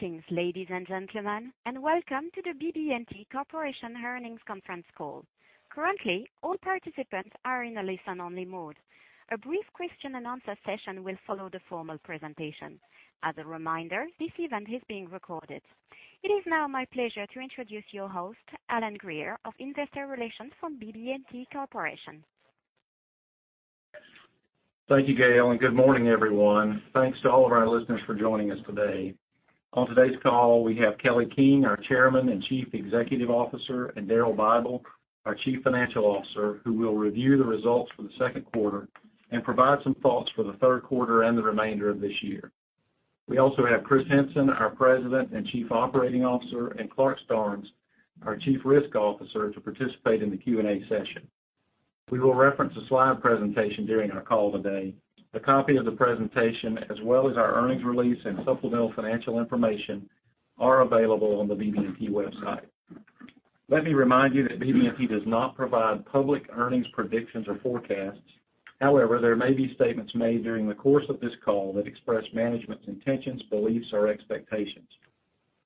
Greetings, ladies and gentlemen, and welcome to the BB&T Corporation Earnings Conference Call. Currently, all participants are in a listen-only mode. A brief question and answer session will follow the formal presentation. As a reminder, this event is being recorded. It is now my pleasure to introduce your host, Alan Greer of Investor Relations from BB&T Corporation. Thank you, Gail. Good morning, everyone. Thanks to all of our listeners for joining us today. On today's call, we have Kelly King, our Chairman and Chief Executive Officer, and Daryl Bible, our Chief Financial Officer, who will review the results for the second quarter and provide some thoughts for the third quarter and the remainder of this year. We also have Chris Henson, our President and Chief Operating Officer, and Clarke Starnes, our Chief Risk Officer, to participate in the Q&A session. We will reference a slide presentation during our call today. A copy of the presentation, as well as our earnings release and supplemental financial information, are available on the BB&T website. Let me remind you that BB&T does not provide public earnings predictions or forecasts. However, there may be statements made during the course of this call that express management's intentions, beliefs, or expectations.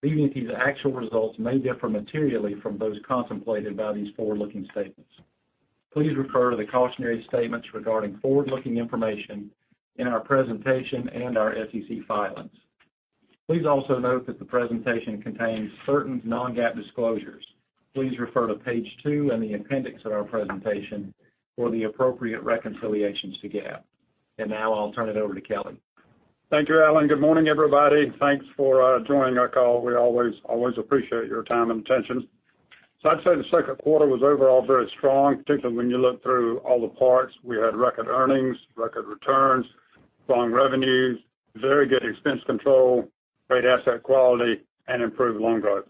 BB&T's actual results may differ materially from those contemplated by these forward-looking statements. Please refer to the cautionary statements regarding forward-looking information in our presentation and our SEC filings. Please also note that the presentation contains certain non-GAAP disclosures. Please refer to page two in the appendix of our presentation for the appropriate reconciliations to GAAP. Now I'll turn it over to Kelly. Thank you, Alan. Good morning, everybody. Thanks for joining our call. We always appreciate your time and attention. I'd say the second quarter was overall very strong, particularly when you look through all the parts. We had record earnings, record returns, strong revenues, very good expense control, great asset quality, and improved loan growth.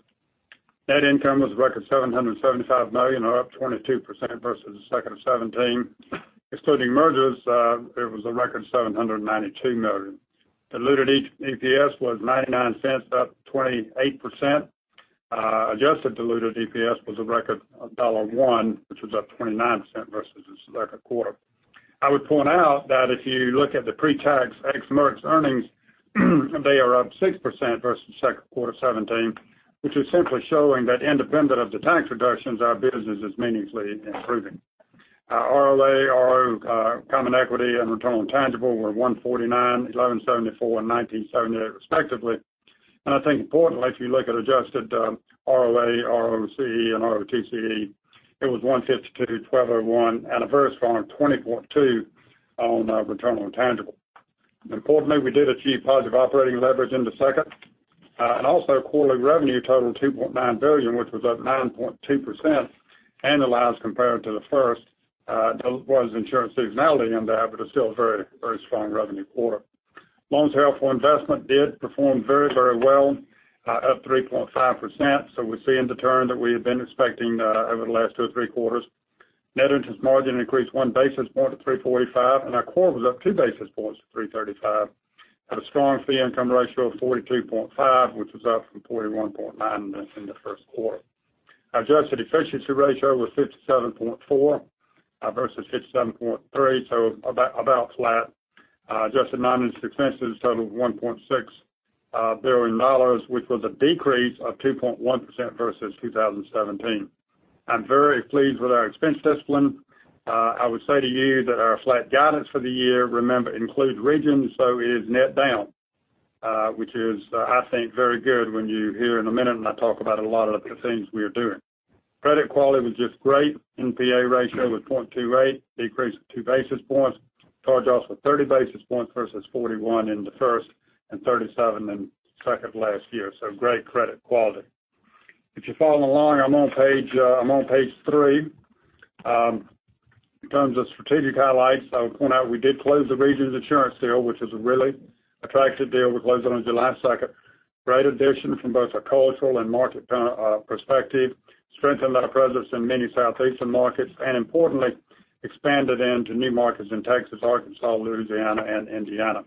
Net income was a record $775 million, or up 22% versus the second of 2017. Excluding mergers, it was a record $792 million. Diluted EPS was $0.99, up 28%. Adjusted diluted EPS was a record of $1.00, which was up 29% versus the second quarter. I would point out that if you look at the pre-tax ex-mergs earnings, they are up 6% versus second quarter 2017, which is simply showing that independent of the tax reductions, our business is meaningfully improving. Our ROA, ROE, common equity, and return on tangible were 149, 1174, and 1978 respectively. I think importantly, if you look at adjusted ROA, ROCE, and ROTCE, it was 152, 1201, and a very strong 20.2 on return on tangible. Importantly, we did achieve positive operating leverage in the second. Quarterly revenue totaled $2.9 billion, which was up 9.2% annualized compared to the first. There was insurance seasonality in that, but it's still a very strong revenue quarter. Loans held for investment did perform very well, up 3.5%. We're seeing the turn that we had been expecting over the last two or three quarters. Net interest margin increased one basis point to 345, and our core was up two basis points to 335. Had a strong fee income ratio of 42.5, which was up from 41.9 in the first quarter. Adjusted efficiency ratio was 57.4 versus 57.3, so about flat. Adjusted non-interest expenses totaled $1.6 billion, which was a decrease of 2.1% versus 2017. I'm very pleased with our expense discipline. I would say to you that our flat guidance for the year, remember, includes Regions, so it is net down, which is, I think, very good when you hear in a minute when I talk about a lot of the things we are doing. Credit quality was just great. NPA ratio was 0.28, decreased two basis points. Charge-offs were 30 basis points versus 41 in the first and 37 in the second of last year. Great credit quality. If you're following along, I'm on page three. In terms of strategic highlights, I would point out we did close the Regions Insurance deal, which is a really attractive deal. We closed on July 2nd. Great addition from both a cultural and market perspective, strengthened our presence in many Southeastern markets, importantly, expanded into new markets in Texas, Arkansas, Louisiana, and Indiana.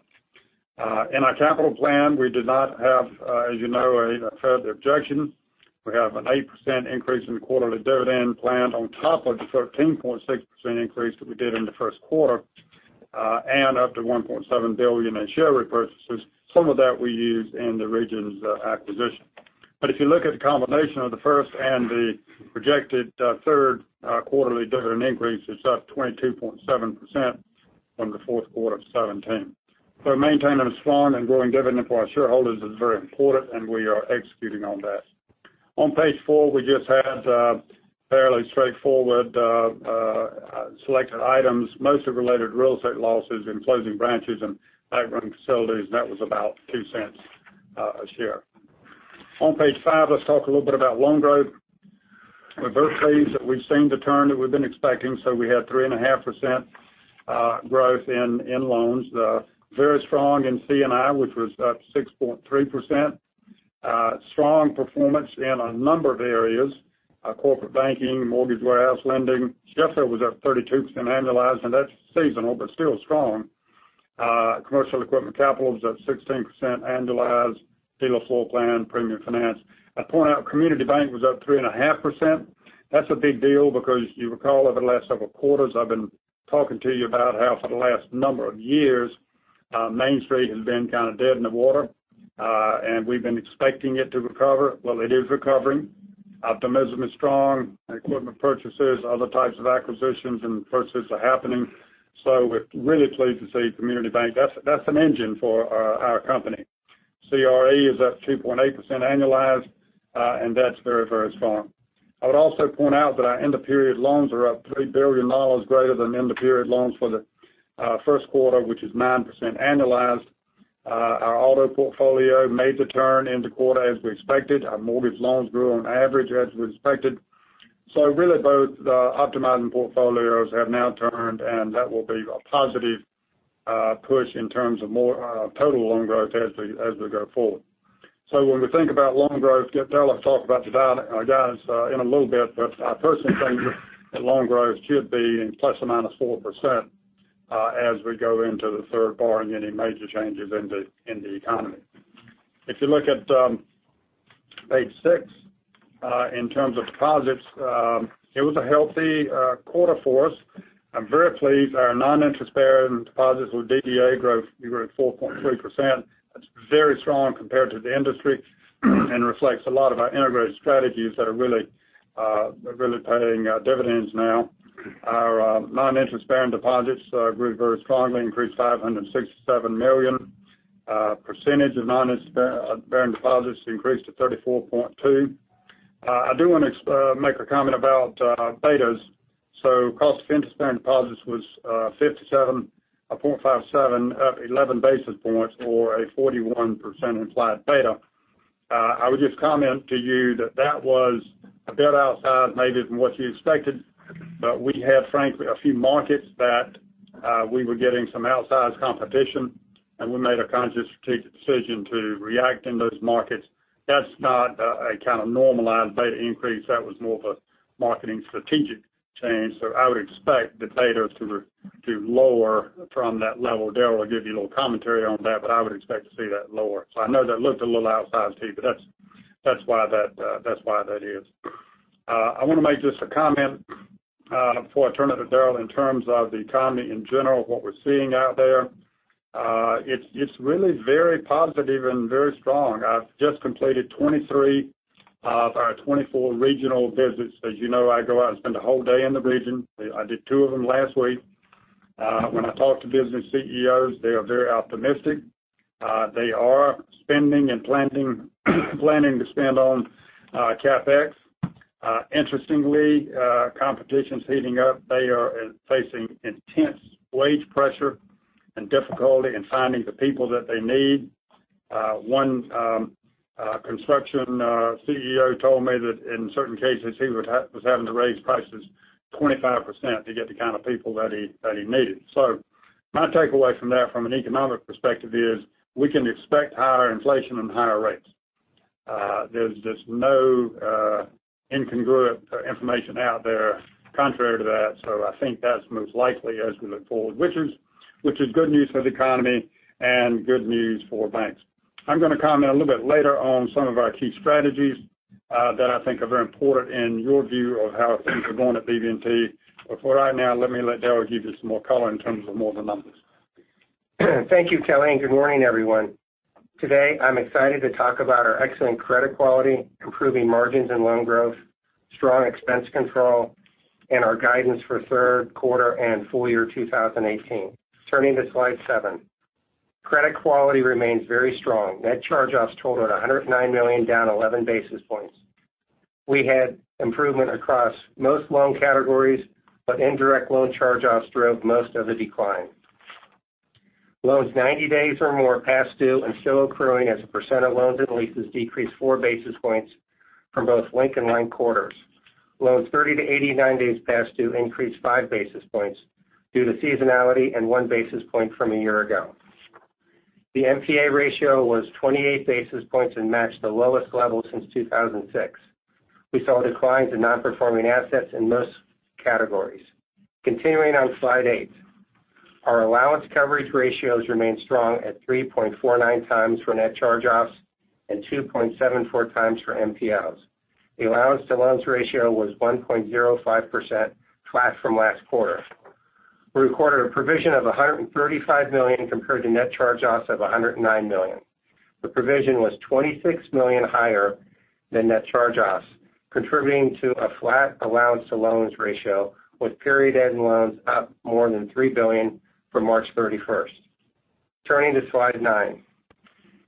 In our capital plan, we did not have, as you know, a further objection. We have an 8% increase in the quarterly dividend planned on top of the 13.6% increase that we did in the first quarter, and up to $1.7 billion in share repurchases. Some of that we used in the Regions acquisition. If you look at the combination of the first and the projected third quarterly dividend increase, it's up 22.7% from the fourth quarter of 2017. Maintaining a strong and growing dividend for our shareholders is very important, and we are executing on that. On page four, we just had fairly straightforward selected items, most of related real estate losses in closing branches and bank-run facilities. That was about $0.02 a share. That was about $0.02 a share. On page five, let's talk a little bit about loan growth. We're very pleased that we've seen the turn that we've been expecting, we had 3.5% growth in loans. Very strong in C&I, which was up 6.3%. Strong performance in a number of areas, corporate banking, mortgage warehouse lending. Consumer was up 32% annualized, that's seasonal, but still strong. Commercial equipment capital was up 16% annualized, dealer floor plan, Premium Finance. I point out Community Bank was up 3.5%. That's a big deal because you recall over the last several quarters, I've been talking to you about how for the last number of years, Main Street has been kind of dead in the water, and we've been expecting it to recover. It is recovering. Optimism is strong. Equipment purchases, other types of acquisitions and purchases are happening. We're really pleased to see Community Bank. That's an engine for our company. CRE is up 2.8% annualized, and that's very strong. I would also point out that our end-of-period loans are up $3 billion greater than end-of-period loans for the first quarter, which is 9% annualized. Our auto portfolio made the turn end of quarter as we expected. Our mortgage loans grew on average as we expected. Really both the optimizing portfolios have now turned, and that will be a positive push in terms of more total loan growth as we go forward. When we think about loan growth, Daryl will talk about the guidance in a little bit, but I personally think that loan growth should be in ±4% as we go into the third, barring any major changes in the economy. If you look at page six, in terms of deposits, it was a healthy quarter for us. I'm very pleased our non-interest bearing deposits with DDA growth, we grew at 4.3%. That's very strong compared to the industry and reflects a lot of our integrated strategies that are really paying dividends now. Our non-interest bearing deposits grew very strongly, increased $567 million. Percentage of non-interest bearing deposits increased to 34.2%. I do want to make a comment about betas. Cost of interest-bearing deposits was 57, 457 up 11 basis points or a 41% implied beta. I would just comment to you that was a bit outsized maybe from what you expected, but we had frankly a few markets that we were getting some outsized competition, and we made a conscious strategic decision to react in those markets. That's not a kind of normalized beta increase. That was more of a marketing strategic change. I would expect the beta to lower from that level. Daryl will give you a little commentary on that, but I would expect to see that lower. I know that looked a little outsized to you, but that's why that is. I want to make just a comment before I turn it to Daryl in terms of the economy in general, what we're seeing out there. It's really very positive and very strong. I've just completed 23 or 24 regional visits. As you know, I go out and spend a whole day in the region. I did two of them last week. When I talk to business CEOs, they are very optimistic. They are spending and planning to spend on CapEx. Interestingly, competition's heating up. They are facing intense wage pressure and difficulty in finding the people that they need. One construction CEO told me that in certain cases, he was having to raise prices 25% to get the kind of people that he needed. My takeaway from that from an economic perspective is we can expect higher inflation and higher rates. There's just no incongruent information out there contrary to that, I think that's most likely as we look forward, which is good news for the economy and good news for banks. I'm going to comment a little bit later on some of our key strategies that I think are very important in your view of how things are going at BB&T. For right now, let me let Daryl give you some more color in terms of more of the numbers. Thank you, Kelly, and good morning, everyone. Today, I'm excited to talk about our excellent credit quality, improving margins and loan growth, strong expense control, and our guidance for third quarter and full year 2018. Turning to slide seven. Credit quality remains very strong. Net charge-offs totaled $109 million, down 11 basis points. We had improvement across most loan categories, but indirect loan charge-offs drove most of the decline. Loans 90 days or more past due and still accruing as a percent of loans and leases decreased four basis points from both linked and linked quarters. Loans 30 to 89 days past due increased five basis points due to seasonality and one basis point from a year ago. The NPA ratio was 28 basis points and matched the lowest level since 2006. We saw declines in non-performing assets in most categories. Continuing on slide eight. Our allowance coverage ratios remain strong at 3.49 times for net charge-offs and 2.74 times for NPAs. The allowance to loans ratio was 1.05%, flat from last quarter. We recorded a provision of $135 million compared to net charge-offs of $109 million. The provision was $26 million higher than net charge-offs, contributing to a flat allowance to loans ratio, with period-end loans up more than $3 billion from March 31st. Turning to slide nine.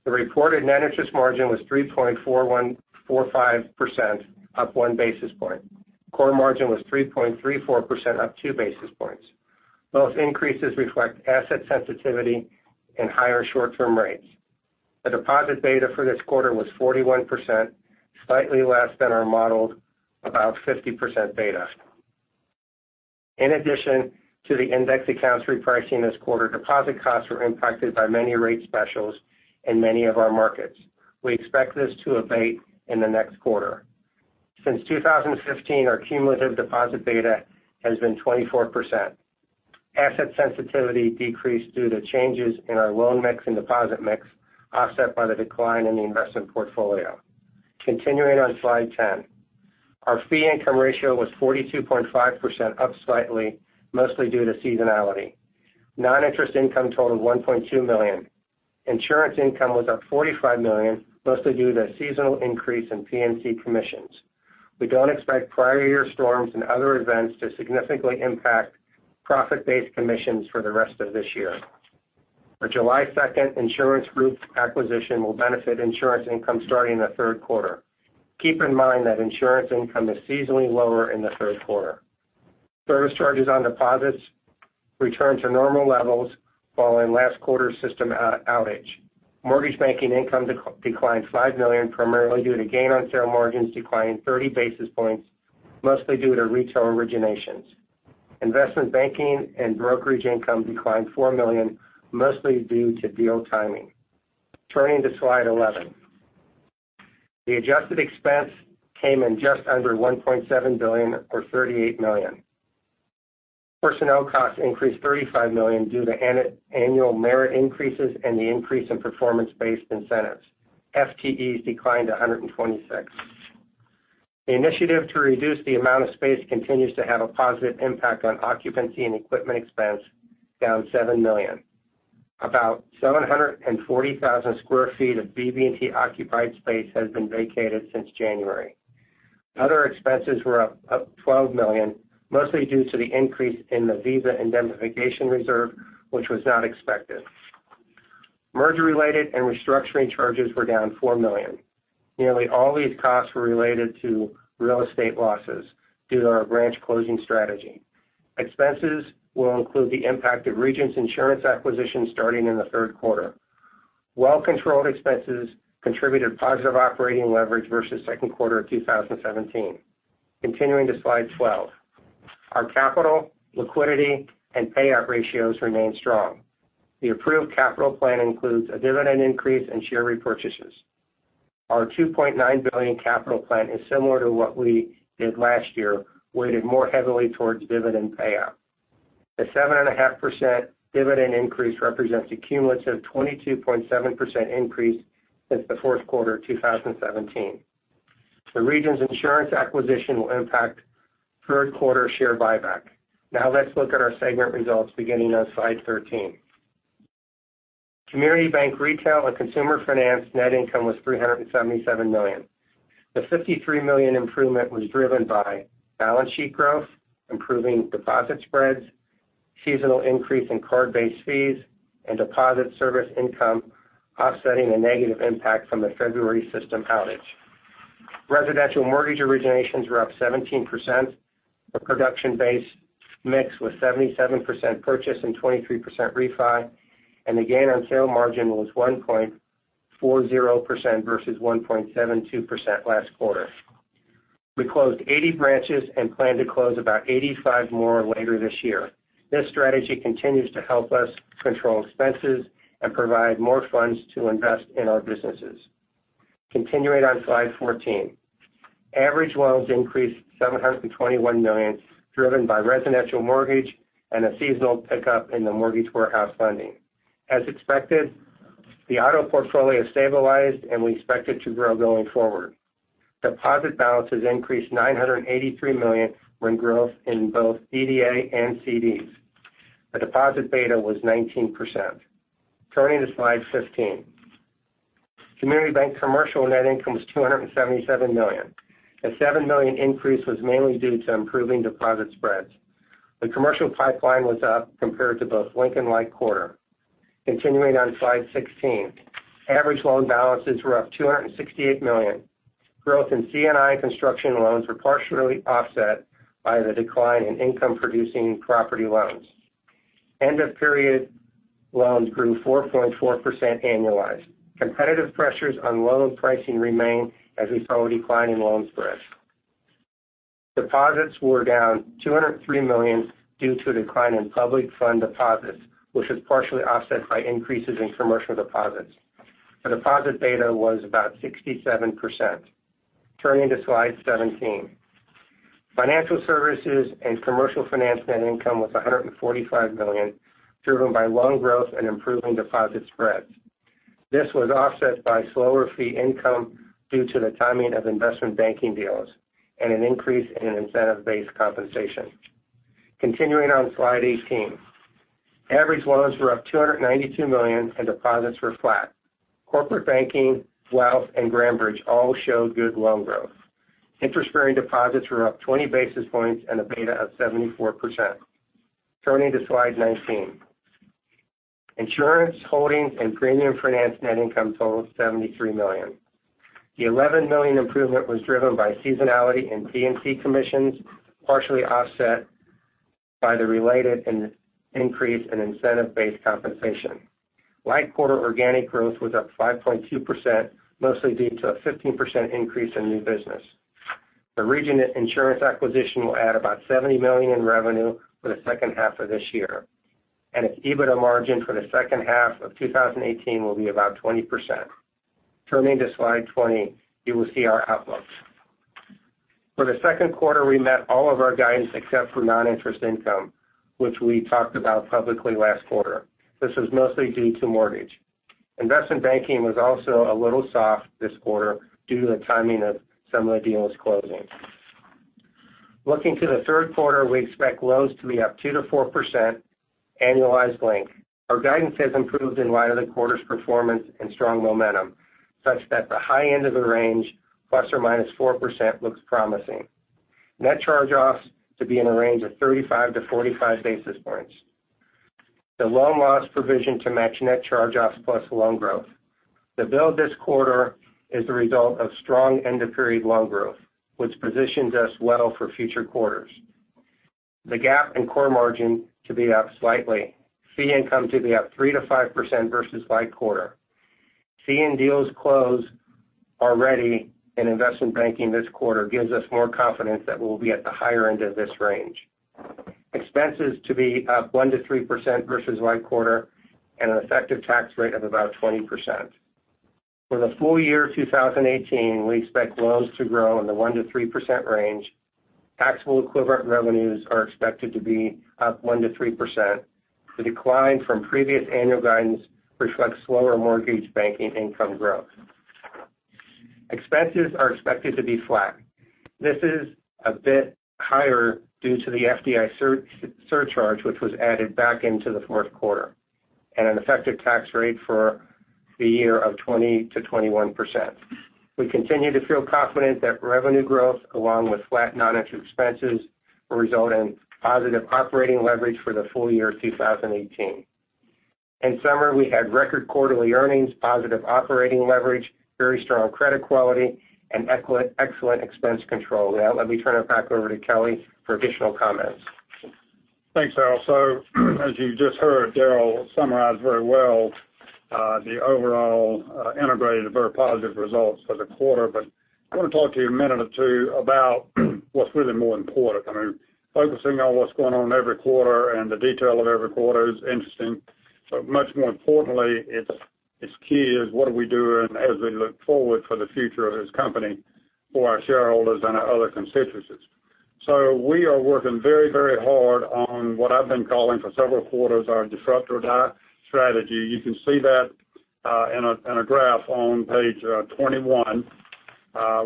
The reported net interest margin was 3.45%, up one basis point. Core margin was 3.34%, up two basis points. Both increases reflect asset sensitivity and higher short-term rates. The deposit beta for this quarter was 41%, slightly less than our modeled about 50% beta. In addition to the index accounts repricing this quarter, deposit costs were impacted by many rate specials in many of our markets. We expect this to abate in the next quarter. Since 2015, our cumulative deposit beta has been 24%. Asset sensitivity decreased due to changes in our loan mix and deposit mix, offset by the decline in the investment portfolio. Continuing on slide 10. Our fee income ratio was 42.5%, up slightly, mostly due to seasonality. Non-interest income totaled $1.2 million. Insurance income was up $45 million, mostly due to the seasonal increase in P&C commissions. We don't expect prior year storms and other events to significantly impact profit-based commissions for the rest of this year. Our July 2nd insurance group acquisition will benefit insurance income starting in the third quarter. Keep in mind that insurance income is seasonally lower in the third quarter. Service charges on deposits returned to normal levels following last quarter's system outage. Mortgage banking income declined $5 million, primarily due to gain on sale margins declining 30 basis points, mostly due to retail originations. Investment banking and brokerage income declined $4 million, mostly due to deal timing. Turning to slide 11. The adjusted expense came in just under $1.7 billion or $38 million. Personnel costs increased $35 million due to annual merit increases and the increase in performance-based incentives. FTEs declined 126. The initiative to reduce the amount of space continues to have a positive impact on occupancy and equipment expense, down $7 million. About 740,000 square feet of BB&T occupied space has been vacated since January. Other expenses were up $12 million, mostly due to the increase in the Visa indemnification reserve, which was not expected. Merger-related and restructuring charges were down $4 million. Nearly all these costs were related to real estate losses due to our branch closing strategy. Expenses will include the impact of Regions Insurance acquisition starting in the third quarter. Well-controlled expenses contributed positive operating leverage versus second quarter of 2017. Continuing to slide 12. Our capital, liquidity, and payout ratios remain strong. The approved capital plan includes a dividend increase and share repurchases. Our $2.9 billion capital plan is similar to what we did last year, weighted more heavily towards dividend payout. The 7.5% dividend increase represents a cumulative 22.7% increase since the fourth quarter of 2017. The Regions Insurance acquisition will impact third quarter share buyback. Let's look at our segment results beginning on slide 13. Community Bank Retail and Consumer Finance net income was $377 million. The $53 million improvement was driven by balance sheet growth, improving deposit spreads, seasonal increase in card-based fees, and deposit service income offsetting a negative impact from the February system outage. Residential mortgage originations were up 17%. The production base mix was 77% purchase and 23% refi, the gain on sale margin was 1.40% versus 1.72% last quarter. We closed 80 branches and plan to close about 85 more later this year. This strategy continues to help us control expenses and provide more funds to invest in our businesses. Continuing on slide 14. Average loans increased $721 million, driven by residential mortgage and a seasonal pickup in the mortgage warehouse funding. As expected, the auto portfolio stabilized, and we expect it to grow going forward. Deposit balances increased $983 million from growth in both DDA and CDs. The deposit beta was 19%. Turning to slide 15. Community Bank Commercial net income was $277 million. A $7 million increase was mainly due to improving deposit spreads. The commercial pipeline was up compared to both linked and like quarter. Continuing on slide 16. Average loan balances were up $268 million. Growth in C&I construction loans were partially offset by the decline in income-producing property loans. End-of-period loans grew 4.4% annualized. Competitive pressures on loan pricing remain as we saw a decline in loan spreads. Deposits were down $203 million due to a decline in public fund deposits, which was partially offset by increases in commercial deposits. The deposit beta was about 67%. Turning to slide 17. Financial Services and Commercial Finance net income was $145 million, driven by loan growth and improving deposit spreads. This was offset by slower fee income due to the timing of investment banking deals and an increase in incentive-based compensation. Continuing on slide 18. Average loans were up $292 million, and deposits were flat. Corporate Banking, Wealth, and Grandbridge all showed good loan growth. Interest-bearing deposits were up 20 basis points and a beta of 74%. Turning to slide 19. Insurance, Holdings, and Premium Finance net income totaled $73 million. The $11 million improvement was driven by seasonality in P&C commissions, partially offset by the related increase in incentive-based compensation. Like-quarter organic growth was up 5.2%, mostly due to a 15% increase in new business. The Regions Insurance acquisition will add about $70 million in revenue for the second half of this year, and its EBITDA margin for the second half of 2018 will be about 20%. Turning to slide 20, you will see our outlooks. For the second quarter, we met all of our guidance except for non-interest income, which we talked about publicly last quarter. This was mostly due to mortgage. Investment banking was also a little soft this quarter due to the timing of some of the deals closing. Looking to the third quarter, we expect loans to be up 2%-4% annualized link. Our guidance has improved in light of the quarter's performance and strong momentum, such that the high end of the range, ±4%, looks promising. Net charge-offs to be in the range of 35-45 basis points. The loan loss provision to match net charge-offs plus loan growth. The build this quarter is the result of strong end-of-period loan growth, which positions us well for future quarters. The GAAP in core margin to be up slightly. Fee income to be up 3%-5% versus like quarter. Seeing deals close already in investment banking this quarter gives us more confidence that we'll be at the higher end of this range. Expenses to be up 1%-3% versus like quarter, and an effective tax rate of about 20%. For the full year 2018, we expect loans to grow in the 1%-3% range. Taxable equivalent revenues are expected to be up 1%-3%. The decline from previous annual guidance reflects slower mortgage banking income growth. Expenses are expected to be flat. This is a bit higher due to the FDIC surcharge, which was added back into the fourth quarter, and an effective tax rate for the year of 20%-21%. We continue to feel confident that revenue growth, along with flat non-interest expenses, will result in positive operating leverage for the full year 2018. In summary, we had record quarterly earnings, positive operating leverage, very strong credit quality, and excellent expense control. Let me turn it back over to Kelly for additional comments. Thanks, Daryl. As you just heard Daryl summarize very well, the overall integrated very positive results for the quarter. I want to talk to you a minute or two about what's really more important. I mean, focusing on what's going on every quarter and the detail of every quarter is interesting. Much more importantly, it's key is what are we doing as we look forward for the future of this company for our shareholders and our other constituencies. We are working very, very hard on what I've been calling for several quarters, our disrupt or die strategy. You can see that in a graph on page 21.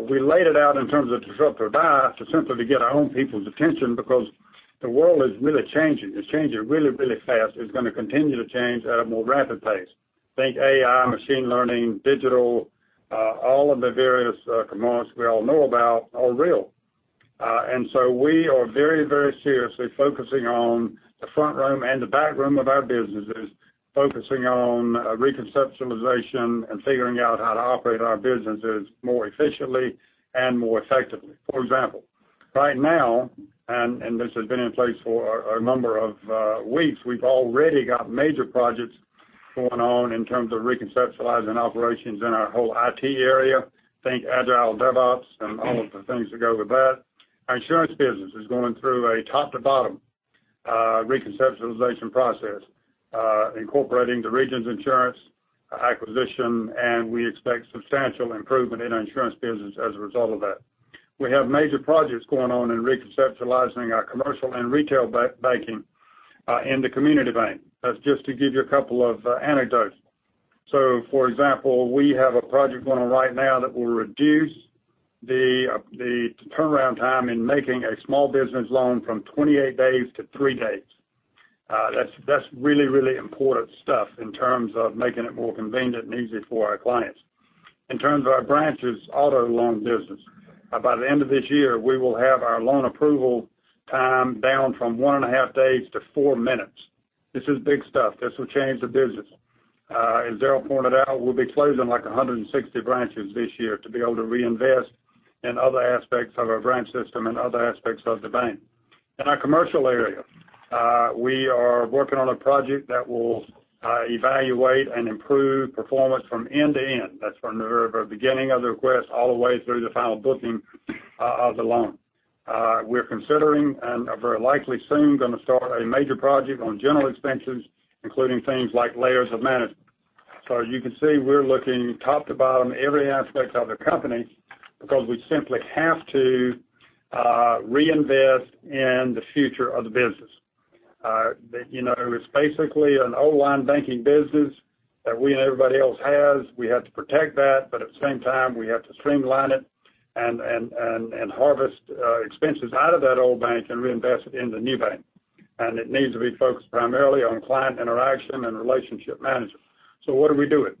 We laid it out in terms of disrupt or die simply to get our own people's attention because the world is really changing. It's changing really, really fast. It's going to continue to change at a more rapid pace. Think AI, machine learning, digital, all of the various corollaries we all know about are real. We are very, very seriously focusing on the front room and the back room of our businesses, focusing on reconceptualization and figuring out how to operate our businesses more efficiently and more effectively. For example, right now, and this has been in place for a number of weeks, we've already got major projects going on in terms of reconceptualizing operations in our whole IT area. Think Agile, DevOps, and all of the things that go with that. Our insurance business is going through a top-to-bottom reconceptualization process incorporating the Regions Insurance acquisition, and we expect substantial improvement in our insurance business as a result of that. We have major projects going on in reconceptualizing our commercial and retail banking in the community bank. That's just to give you a couple of anecdotes. For example, we have a project going on right now that will reduce the turnaround time in making a small business loan from 28 days to three days. That's really, really important stuff in terms of making it more convenient and easy for our clients. In terms of our branches auto loan business, by the end of this year, we will have our loan approval time down from one and a half days to four minutes. This is big stuff. This will change the business. As Daryl pointed out, we'll be closing like 160 branches this year to be able to reinvest in other aspects of our branch system and other aspects of the bank. In our commercial area, we are working on a project that will evaluate and improve performance from end to end. That's from the very beginning of the request all the way through the final booking of the loan. We're considering and are very likely soon going to start a major project on general expenses, including things like layers of management. You can see we're looking top to bottom, every aspect of the company because we simply have to reinvest in the future of the business. It's basically an old line banking business that we and everybody else has. We have to protect that, but at the same time, we have to streamline it and harvest expenses out of that old bank and reinvest it in the new bank. It needs to be focused primarily on client interaction and relationship management. What are we doing?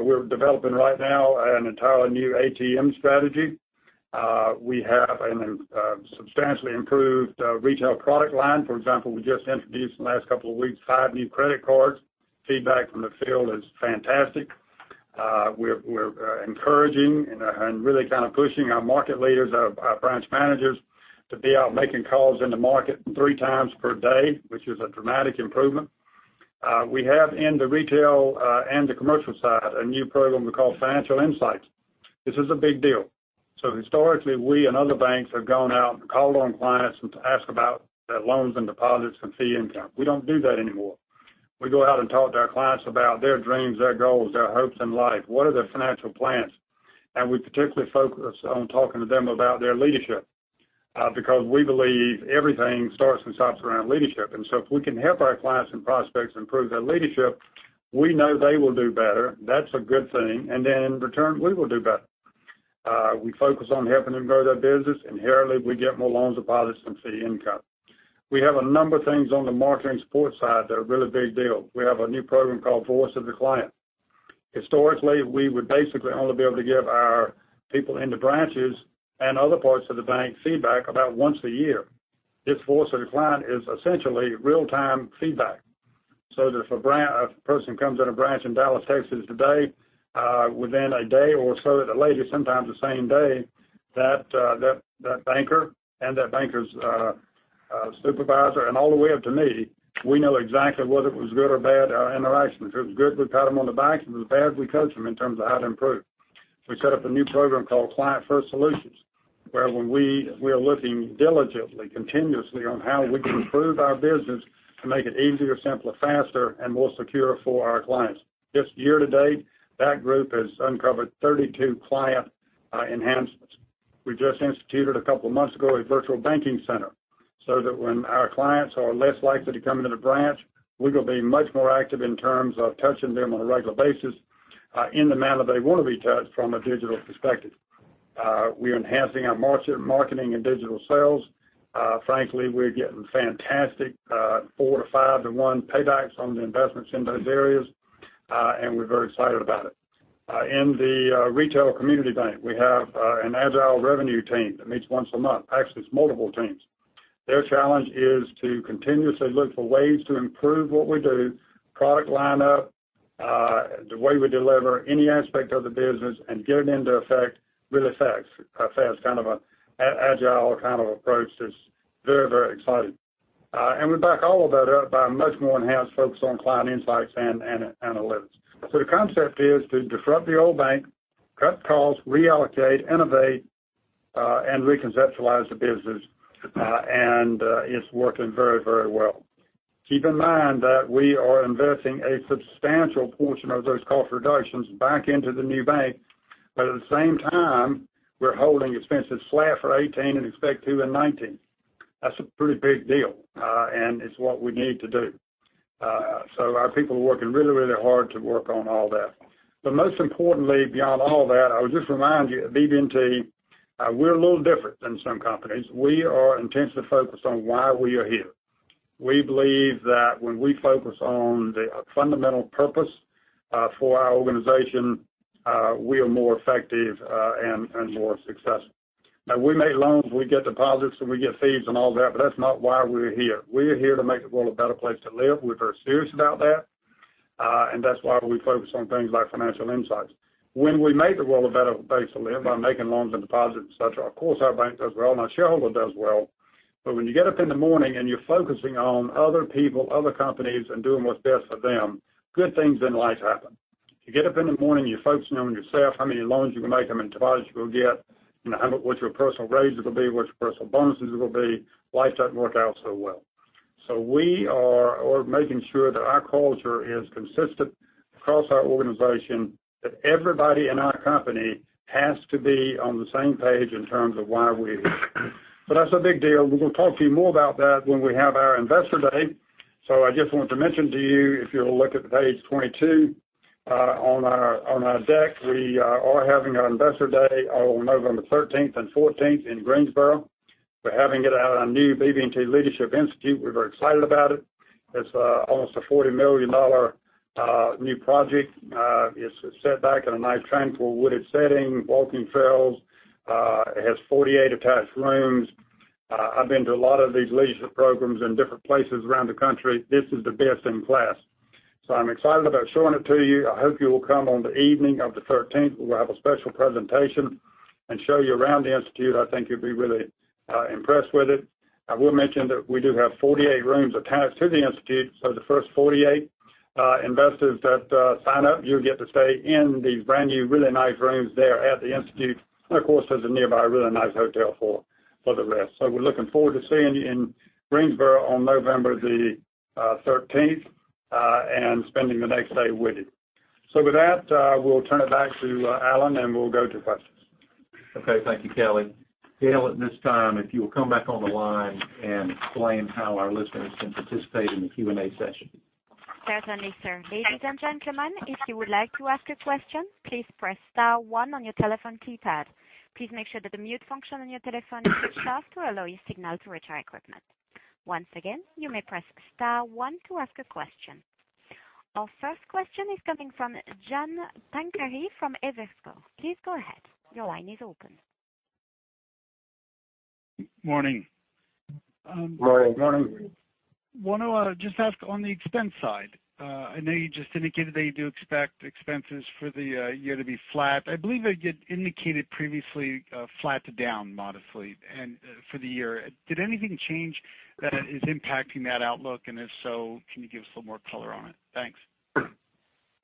We're developing right now an entirely new ATM strategy. We have a substantially improved retail product line. For example, we just introduced in the last couple of weeks five new credit cards. Feedback from the field is fantastic. We're encouraging and really kind of pushing our market leaders, our branch managers to be out making calls in the market three times per day, which is a dramatic improvement. We have in the retail and the commercial side a new program we call Financial Insights. This is a big deal. Historically, we and other banks have gone out and called on clients and to ask about their loans and deposits and fee income. We don't do that anymore. We go out and talk to our clients about their dreams, their goals, their hopes in life. What are their financial plans? We particularly focus on talking to them about their leadership, because we believe everything starts and stops around leadership. If we can help our clients and prospects improve their leadership, we know they will do better. That's a good thing. Then in return, we will do better. We focus on helping them grow their business. Inherently, we get more loans and deposits, and fee income. We have a number of things on the marketing support side that are a really big deal. We have a new program called Voice of the Client. Historically, we would basically only be able to give our people in the branches and other parts of the bank feedback about once a year. This Voice of the Client is essentially real-time feedback. If a person comes in a branch in Dallas, Texas, today, within a day or so, at the latest, sometimes the same day, that banker and that banker's supervisor, and all the way up to me, we know exactly whether it was good or bad interaction. If it was good, we pat them on the back. If it was bad, we coach them in terms of how to improve. We set up a new program called Client First Solutions, where we are looking diligently, continuously, on how we can improve our business to make it easier, simpler, faster, and more secure for our clients. Just year-to-date, that group has uncovered 32 client enhancements. We just instituted a couple of months ago, a virtual banking center. When our clients are less likely to come into the branch, we will be much more active in terms of touching them on a regular basis, in the manner they want to be touched from a digital perspective. We're enhancing our marketing and digital sales. Frankly, we're getting fantastic four to five to one paybacks on the investments in those areas, and we're very excited about it. In the retail community bank, we have an Agile revenue team that meets once a month. Actually, it's multiple teams. Their challenge is to continuously look for ways to improve what we do, product lineup, the way we deliver any aspect of the business, and get it into effect really fast. Kind of an Agile kind of approach that's very exciting. We back all of that up by a much more enhanced focus on client insights and analytics. The concept is to disrupt the old bank, cut costs, reallocate, innovate, and reconceptualize the business. It's working very well. Keep in mind that we are investing a substantial portion of those cost reductions back into the new bank, but at the same time, we're holding expenses flat for 2018 and expect to in 2019. That's a pretty big deal, and it's what we need to do. Our people are working really hard to work on all that. Most importantly, beyond all that, I would just remind you, at BB&T, we're a little different than some companies. We are intentionally focused on why we are here. We believe that when we focus on the fundamental purpose for our organization, we are more effective and more successful. We make loans, we get deposits, we get fees and all that, but that's not why we're here. We're here to make the world a better place to live. We're very serious about that. That's why we focus on things like Financial Insights. When we make the world a better place to live by making loans and deposits and such, of course, our bank does well and our shareholder does well. When you get up in the morning and you're focusing on other people, other companies, and doing what's best for them, good things in life happen. If you get up in the morning and you're focusing on yourself, how many loans you can make, how many deposits you will get, and what your personal raise is going to be, what your personal bonuses will be, life doesn't work out so well. We are making sure that our culture is consistent across our organization, that everybody in our company has to be on the same page in terms of why we're here. That's a big deal. We're going to talk to you more about that when we have our investor day. I just wanted to mention to you, if you'll look at page 22 on our deck, we are having our investor day on November 13th and 14th in Greensboro. We're having it at our new BB&T Leadership Institute. We're very excited about it. It's almost a $40 million new project. It's set back in a nice, tranquil, wooded setting, walking trails. It has 48 attached rooms. I've been to a lot of these leadership programs in different places around the country. This is the best in class. I'm excited about showing it to you. I hope you will come on the evening of the 13th. We'll have a special presentation and show you around the institute. I think you'll be really impressed with it. I will mention that we do have 48 rooms attached to the institute, so the first 48 investors that sign up, you'll get to stay in these brand-new, really nice rooms there at the institute. Of course, there's a nearby really nice hotel for the rest. We're looking forward to seeing you in Greensboro on November the 13th, and spending the next day with you. With that, we'll turn it back to Alan, and we'll go to questions. Okay. Thank you, Kelly. Gail, at this time, if you will come back on the line and explain how our listeners can participate in the Q&A session. Certainly, sir. Ladies and gentlemen, if you would like to ask a question, please press star one on your telephone keypad. Please make sure that the mute function on your telephone is switched off to allow your signal to reach our equipment. Once again, you may press star one to ask a question. Our first question is coming from John Pancari from Evercore. Please go ahead. Your line is open. Morning. Morning. Wanted to just ask on the expense side, I know you just indicated that you do expect expenses for the year to be flat. I believe that you indicated previously flat to down modestly for the year. Did anything change that is impacting that outlook? If so, can you give us a little more color on it? Thanks.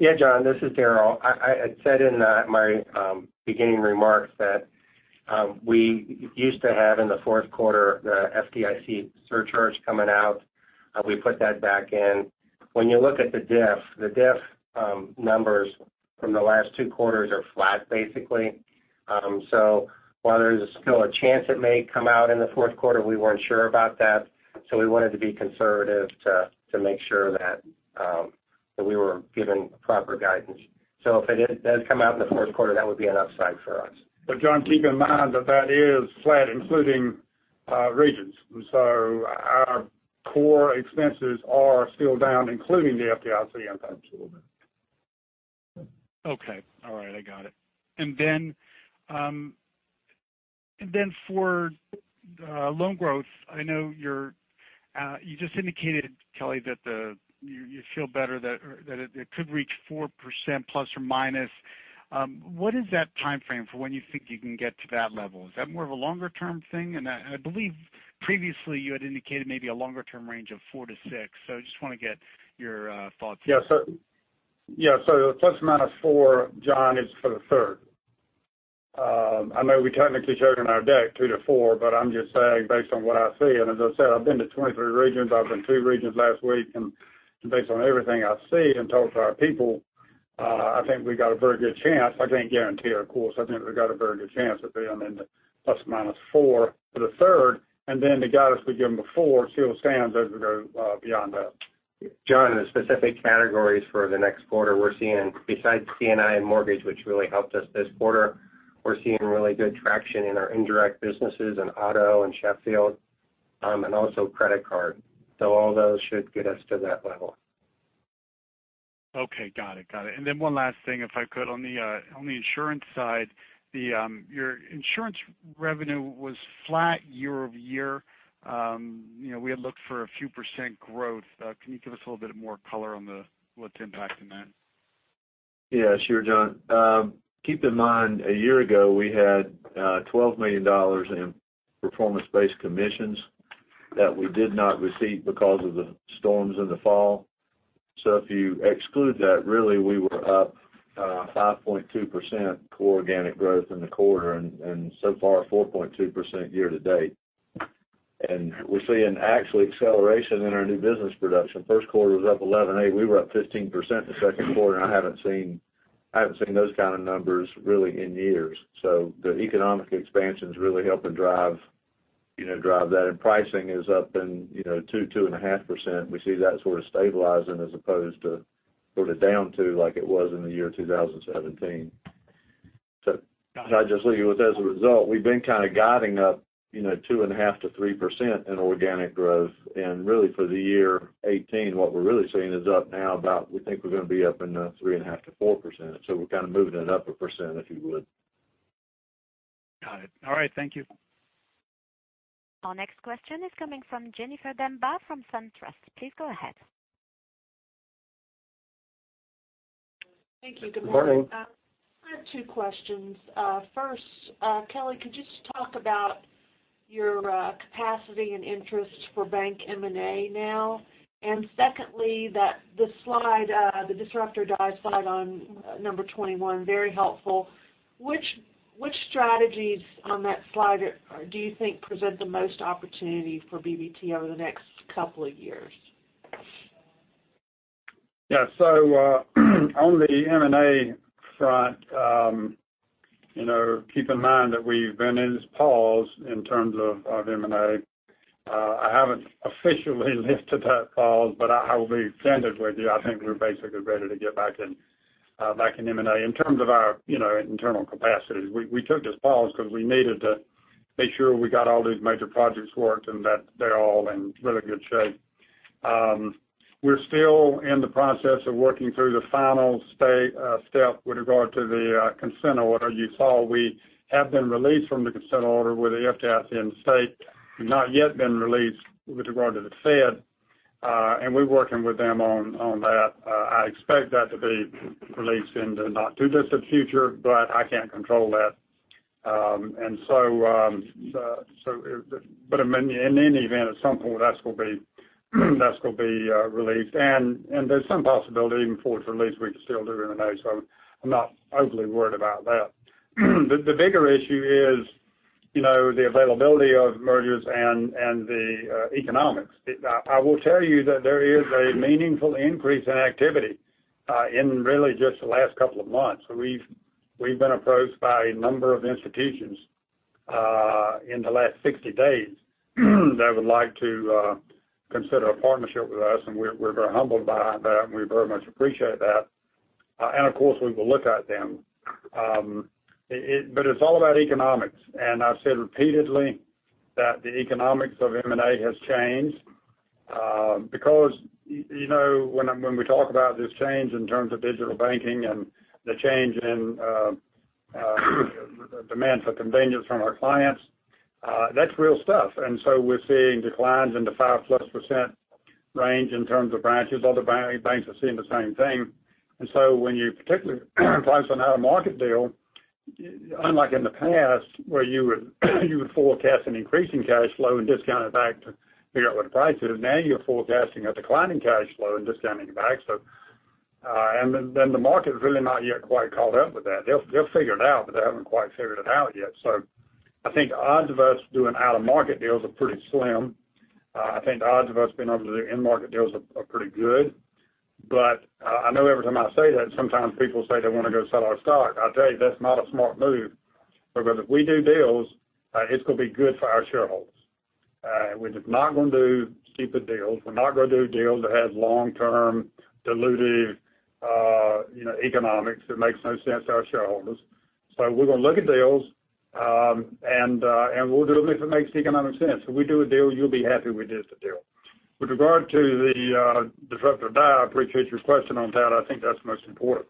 Yeah, John, this is Daryl. I said in my beginning remarks that we used to have in the fourth quarter, the FDIC surcharge coming out. We put that back in. When you look at the diff, the diff numbers from the last two quarters are flat, basically. While there's still a chance it may come out in the fourth quarter, we weren't sure about that. We wanted to be conservative to make sure that we were giving proper guidance. If it does come out in the fourth quarter, that would be an upside for us. John, keep in mind that is flat, including Regions. Our core expenses are still down, including the FDIC impact a little bit. Okay. All right. I got it. For loan growth, I know you just indicated, Kelly, that you feel better that it could reach 4% plus or minus. What is that timeframe for when you think you can get to that level? Is that more of a longer-term thing? I believe previously you had indicated maybe a longer-term range of 4% to 6%. I just want to get your thoughts. ±4, John, is for the third. I know we technically showed in our deck 2-4, but I'm just saying based on what I see. As I said, I've been to 23 regions. I've been to two regions last week, based on everything I see and talk to our people, I think we've got a very good chance. I can't guarantee it, of course. I think we've got a very good chance of being in the ±4 for the third. The guidance we've given before still stands as we go beyond that. John, the specific categories for the next quarter we're seeing, besides C&I and mortgage, which really helped us this quarter, we're seeing really good traction in our indirect businesses in auto and Sheffield, and also credit card. All those should get us to that level. Got it. One last thing, if I could. On the insurance side, your insurance revenue was flat year-over-year. We had looked for a few % growth. Can you give us a little bit more color on what's impacting that? Sure John. Keep in mind, a year ago, we had $12 million in performance-based commissions that we did not receive because of the storms in the fall. If you exclude that, really, we were up 5.2% core organic growth in the quarter, and so far, 4.2% year-to-date. We're seeing actually acceleration in our new business production. First quarter was up 11.8%. We were up 15% in the second quarter. I haven't seen those kind of numbers really in years. The economic expansion's really helping drive that. Pricing is up in 2%-2.5%. We see that sort of stabilizing as opposed to sort of down two like it was in the year 2017. Can I just leave you with, as a result, we've been kind of guiding up 2.5%-3% in organic growth. Really for the year 2018, what we're really seeing is up now about, we think we're going to be up in the 3.5%-4%. We're kind of moving it up 1%, if you would. Got it. All right. Thank you. Our next question is coming from Jennifer Demba from SunTrust. Please go ahead. Thank you. Good morning. Morning. I have two questions. First, Kelly, could you just talk about your capacity and interest for bank M&A now? Secondly, the disrupt or die slide on number 21, very helpful. Which strategies on that slide do you think present the most opportunity for BB&T over the next couple of years? Yeah. On the M&A front, keep in mind that we've been in this pause in terms of M&A. I haven't officially lifted that pause, I will be candid with you. I think we're basically ready to get back in M&A. In terms of our internal capacity, we took this pause because we needed to make sure we got all these major projects worked and that they're all in really good shape. We're still in the process of working through the final step with regard to the consent order. You saw we have been released from the consent order with the FDIC and the state. We've not yet been released with regard to the Fed, we're working with them on that. I expect that to be released in the not too distant future, I can't control that. In any event, at some point, that's going to be released. There's some possibility even before it's released, we could still do M&A, I'm not overly worried about that. The bigger issue is the availability of mergers and the economics. I will tell you that there is a meaningful increase in activity in really just the last couple of months. We've been approached by a number of institutions in the last 60 days that would like to consider a partnership with us, we're very humbled by that, we very much appreciate that. Of course, we will look at them. It's all about economics. I've said repeatedly that the economics of M&A has changed. When we talk about this change in terms of digital banking and the change in demand for convenience from our clients, that's real stuff. We're seeing declines in the 5%-plus range in terms of branches. Other banks are seeing the same thing. When you particularly price an out-of-market deal Unlike in the past where you would forecast an increasing cash flow and discount it back to figure out what the price is, now you're forecasting a declining cash flow and discounting it back. The market's really not yet quite caught up with that. They'll figure it out, but they haven't quite figured it out yet. I think odds of us doing out-of-market deals are pretty slim. I think the odds of us being able to do in-market deals are pretty good. I know every time I say that, sometimes people say they want to go sell our stock. I tell you, that's not a smart move, because if we do deals, it's going to be good for our shareholders. We're just not going to do stupid deals. We're not going to do deals that have long-term dilutive economics that makes no sense to our shareholders. We're going to look at deals, and we'll do them if it makes economic sense. If we do a deal, you'll be happy we did the deal. With regard to the disrupt or die, I appreciate your question on that. I think that's the most important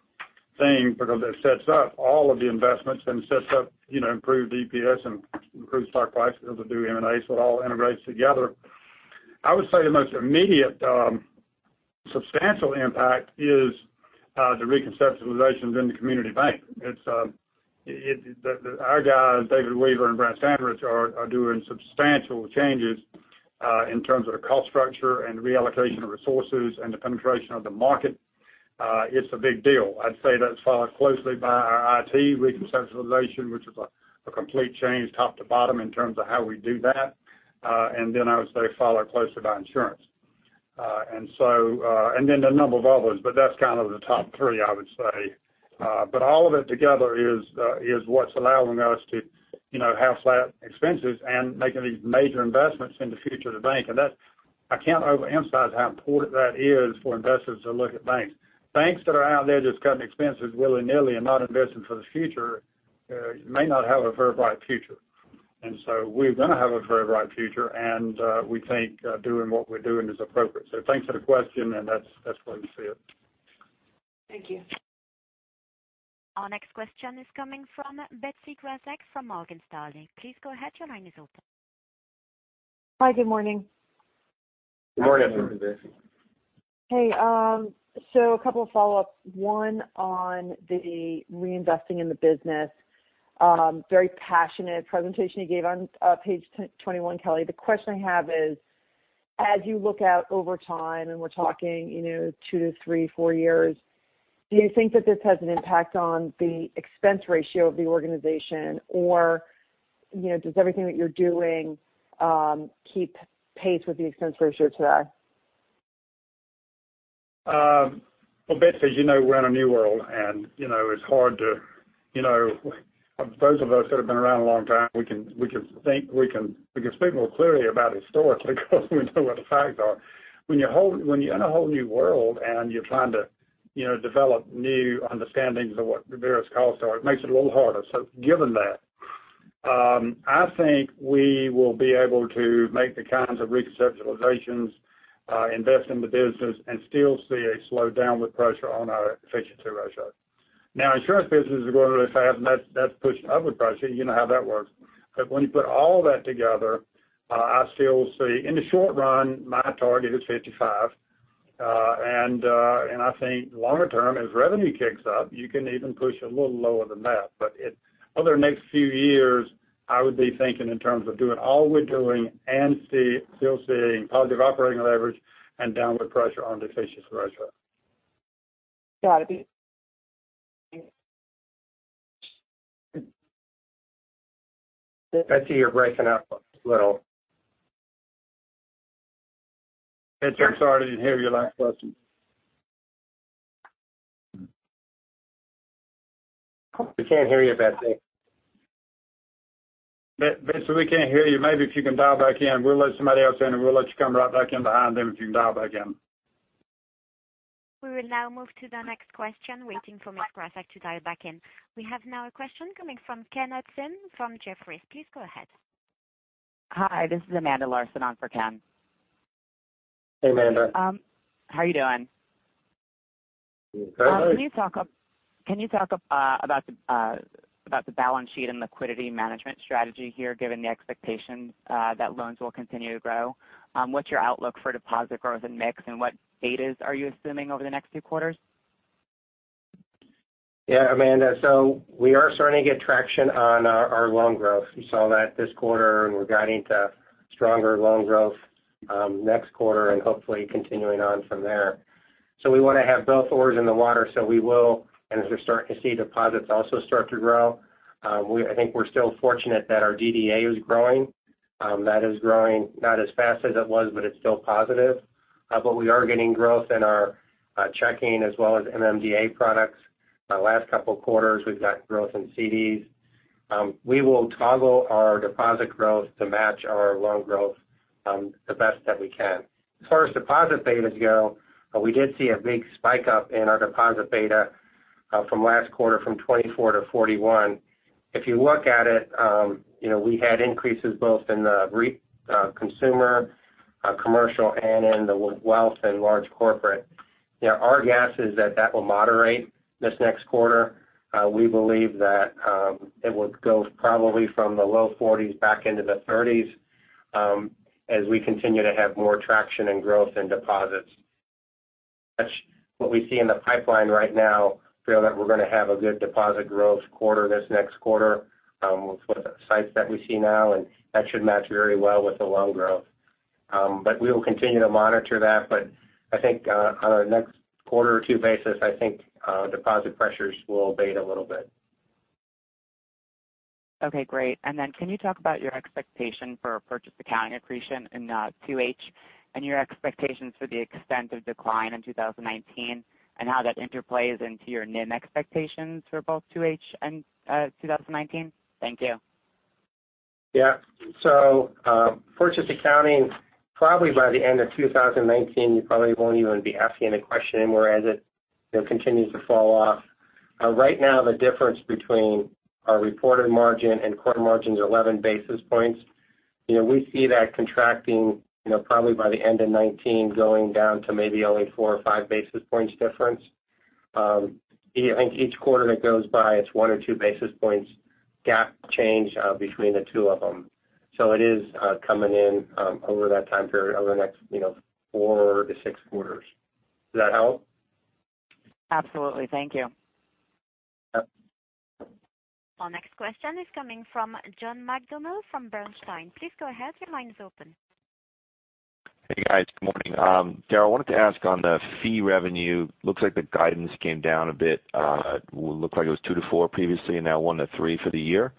thing because it sets up all of the investments and sets up improved EPS and improved stock prices to do M&As, so it all integrates together. I would say the most immediate substantial impact is the reconceptualizations in the community bank. Our guys, David Weaver and Brant Standridge, are doing substantial changes in terms of the cost structure and reallocation of resources and the penetration of the market. It's a big deal. I'd say that's followed closely by our IT reconceptualization, which is a complete change, top to bottom, in terms of how we do that. I would say followed closely by insurance. There are a number of others, but that's kind of the top three, I would say. All of it together is what's allowing us to have flat expenses and making these major investments in the future of the bank. That, I can't overemphasize how important that is for investors to look at banks. Banks that are out there just cutting expenses willy-nilly and not investing for the future may not have a very bright future. We're going to have a very bright future, and we think doing what we're doing is appropriate. Thanks for the question, and that's the way we see it. Thank you. Our next question is coming from Betsy Graseck from Morgan Stanley. Please go ahead. Your line is open. Hi. Good morning. Good morning, Betsy. Hey, a couple of follow-ups. One on the reinvesting in the business. Very passionate presentation you gave. On page 21, Kelly, the question I have is: as you look out over time, and we're talking two to three, four years, do you think that this has an impact on the expense ratio of the organization? Does everything that you're doing keep pace with the expense ratio today? Well, Betsy, as you know, we're in a new world, and it's hard. Those of us that have been around a long time, we can speak more clearly about historically because we know what the facts are. When you're in a whole new world and you're trying to develop new understandings of what the various costs are, it makes it a little harder. Given that, I think we will be able to make the kinds of reconceptualizations, invest in the business, and still see a slow downward pressure on our efficiency ratio. Insurance business is growing really fast, and that's pushing upward pressure. You know how that works. When you put all that together, I still see in the short run, my target is 55. I think longer term, as revenue kicks up, you can even push a little lower than that. Over the next few years, I would be thinking in terms of doing all we're doing and still seeing positive operating leverage and downward pressure on the efficiency ratio. Got it. Thanks. Betsy, you're breaking up a little. Betsy, I'm sorry, I didn't hear your last question. We can't hear you, Betsy. Betsy, we can't hear you. Maybe if you can dial back in. We'll let somebody else in, and we'll let you come right back in behind them if you can dial back in. We will now move to the next question, waiting for Ms. Graseck to dial back in. We have now a question coming from Ken Usdin from Jefferies. Please go ahead. Hi, this is Amanda Larsen on for Ken. Hey, Amanda. How are you doing? Terribly. Can you talk about the balance sheet and liquidity management strategy here, given the expectation that loans will continue to grow? What's your outlook for deposit growth and mix, and what betas are you assuming over the next few quarters? Yeah, Amanda, we are starting to get traction on our loan growth. You saw that this quarter. We're guiding to stronger loan growth next quarter and hopefully continuing on from there. We want to have both oars in the water, so we will. As we're starting to see deposits also start to grow, I think we're still fortunate that our DDA is growing. That is growing not as fast as it was, but it's still positive. We are getting growth in our checking as well as MMDA products. The last couple of quarters, we've got growth in CDs. We will toggle our deposit growth to match our loan growth the best that we can. As far as deposit betas go, we did see a big spike up in our deposit beta from last quarter, from 24 to 41. If you look at it, we had increases both in the consumer, commercial, and in the wealth and large corporate. Our guess is that that will moderate this next quarter. We believe that it would go probably from the low forties back into the thirties as we continue to have more traction and growth in deposits. That's what we see in the pipeline right now. We feel that we're going to have a good deposit growth quarter this next quarter with the sights that we see now. That should match very well with the loan growth. We will continue to monitor that. I think on a next quarter or two basis, I think deposit pressures will abate a little bit. Okay, great. Then can you talk about your expectation for purchase accounting accretion in 2H and your expectations for the extent of decline in 2019, and how that interplays into your NIM expectations for both 2H and 2019? Thank you. Yeah. Purchase accounting, probably by the end of 2019, you probably won't even be asking the question anymore as it continues to fall off. Right now, the difference between our reported margin and quarter margin's 11 basis points. We see that contracting probably by the end of 2019, going down to maybe only four or five basis points difference. I think each quarter that goes by, it's one or two basis points gap change between the two of them. It is coming in over that time period, over the next four to six quarters. Does that help? Absolutely. Thank you. Yep. Our next question is coming from John McDonald from Bernstein. Please go ahead. Your line is open. Hey, guys. Good morning. Daryl, I wanted to ask on the fee revenue, looks like the guidance came down a bit. Looked like it was 2%-4% previously, and now 1%-3% for the year.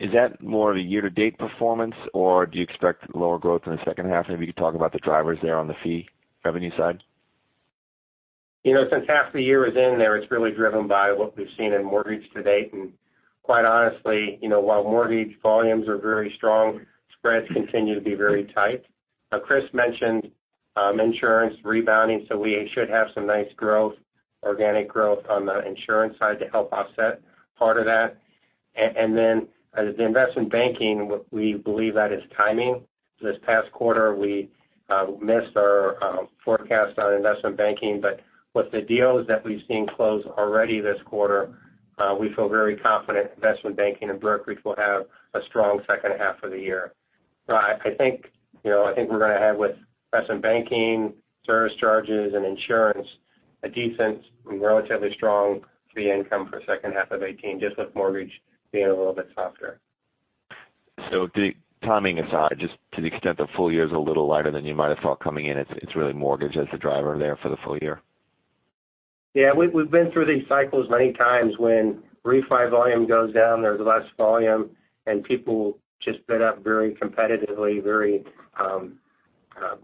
Is that more of a year-to-date performance, or do you expect lower growth in the second half? Maybe you could talk about the drivers there on the fee revenue side. Since half the year is in there, it's really driven by what we've seen in mortgage to date. Quite honestly, while mortgage volumes are very strong, spreads continue to be very tight. Chris mentioned insurance rebounding, so we should have some nice organic growth on the insurance side to help offset part of that. The investment banking, we believe that is timing. This past quarter, we missed our forecast on investment banking. With the deals that we've seen close already this quarter, we feel very confident investment banking and brokerage will have a strong second half of the year. I think we're going to have with investment banking, service charges, and insurance, a decent and relatively strong fee income for second half of 2018, just with mortgage being a little bit softer. The timing aside, just to the extent the full year is a little lighter than you might've thought coming in, it's really mortgage as the driver there for the full year? Yeah. We've been through these cycles many times when refi volume goes down, there's less volume, and people just bid up very competitively, very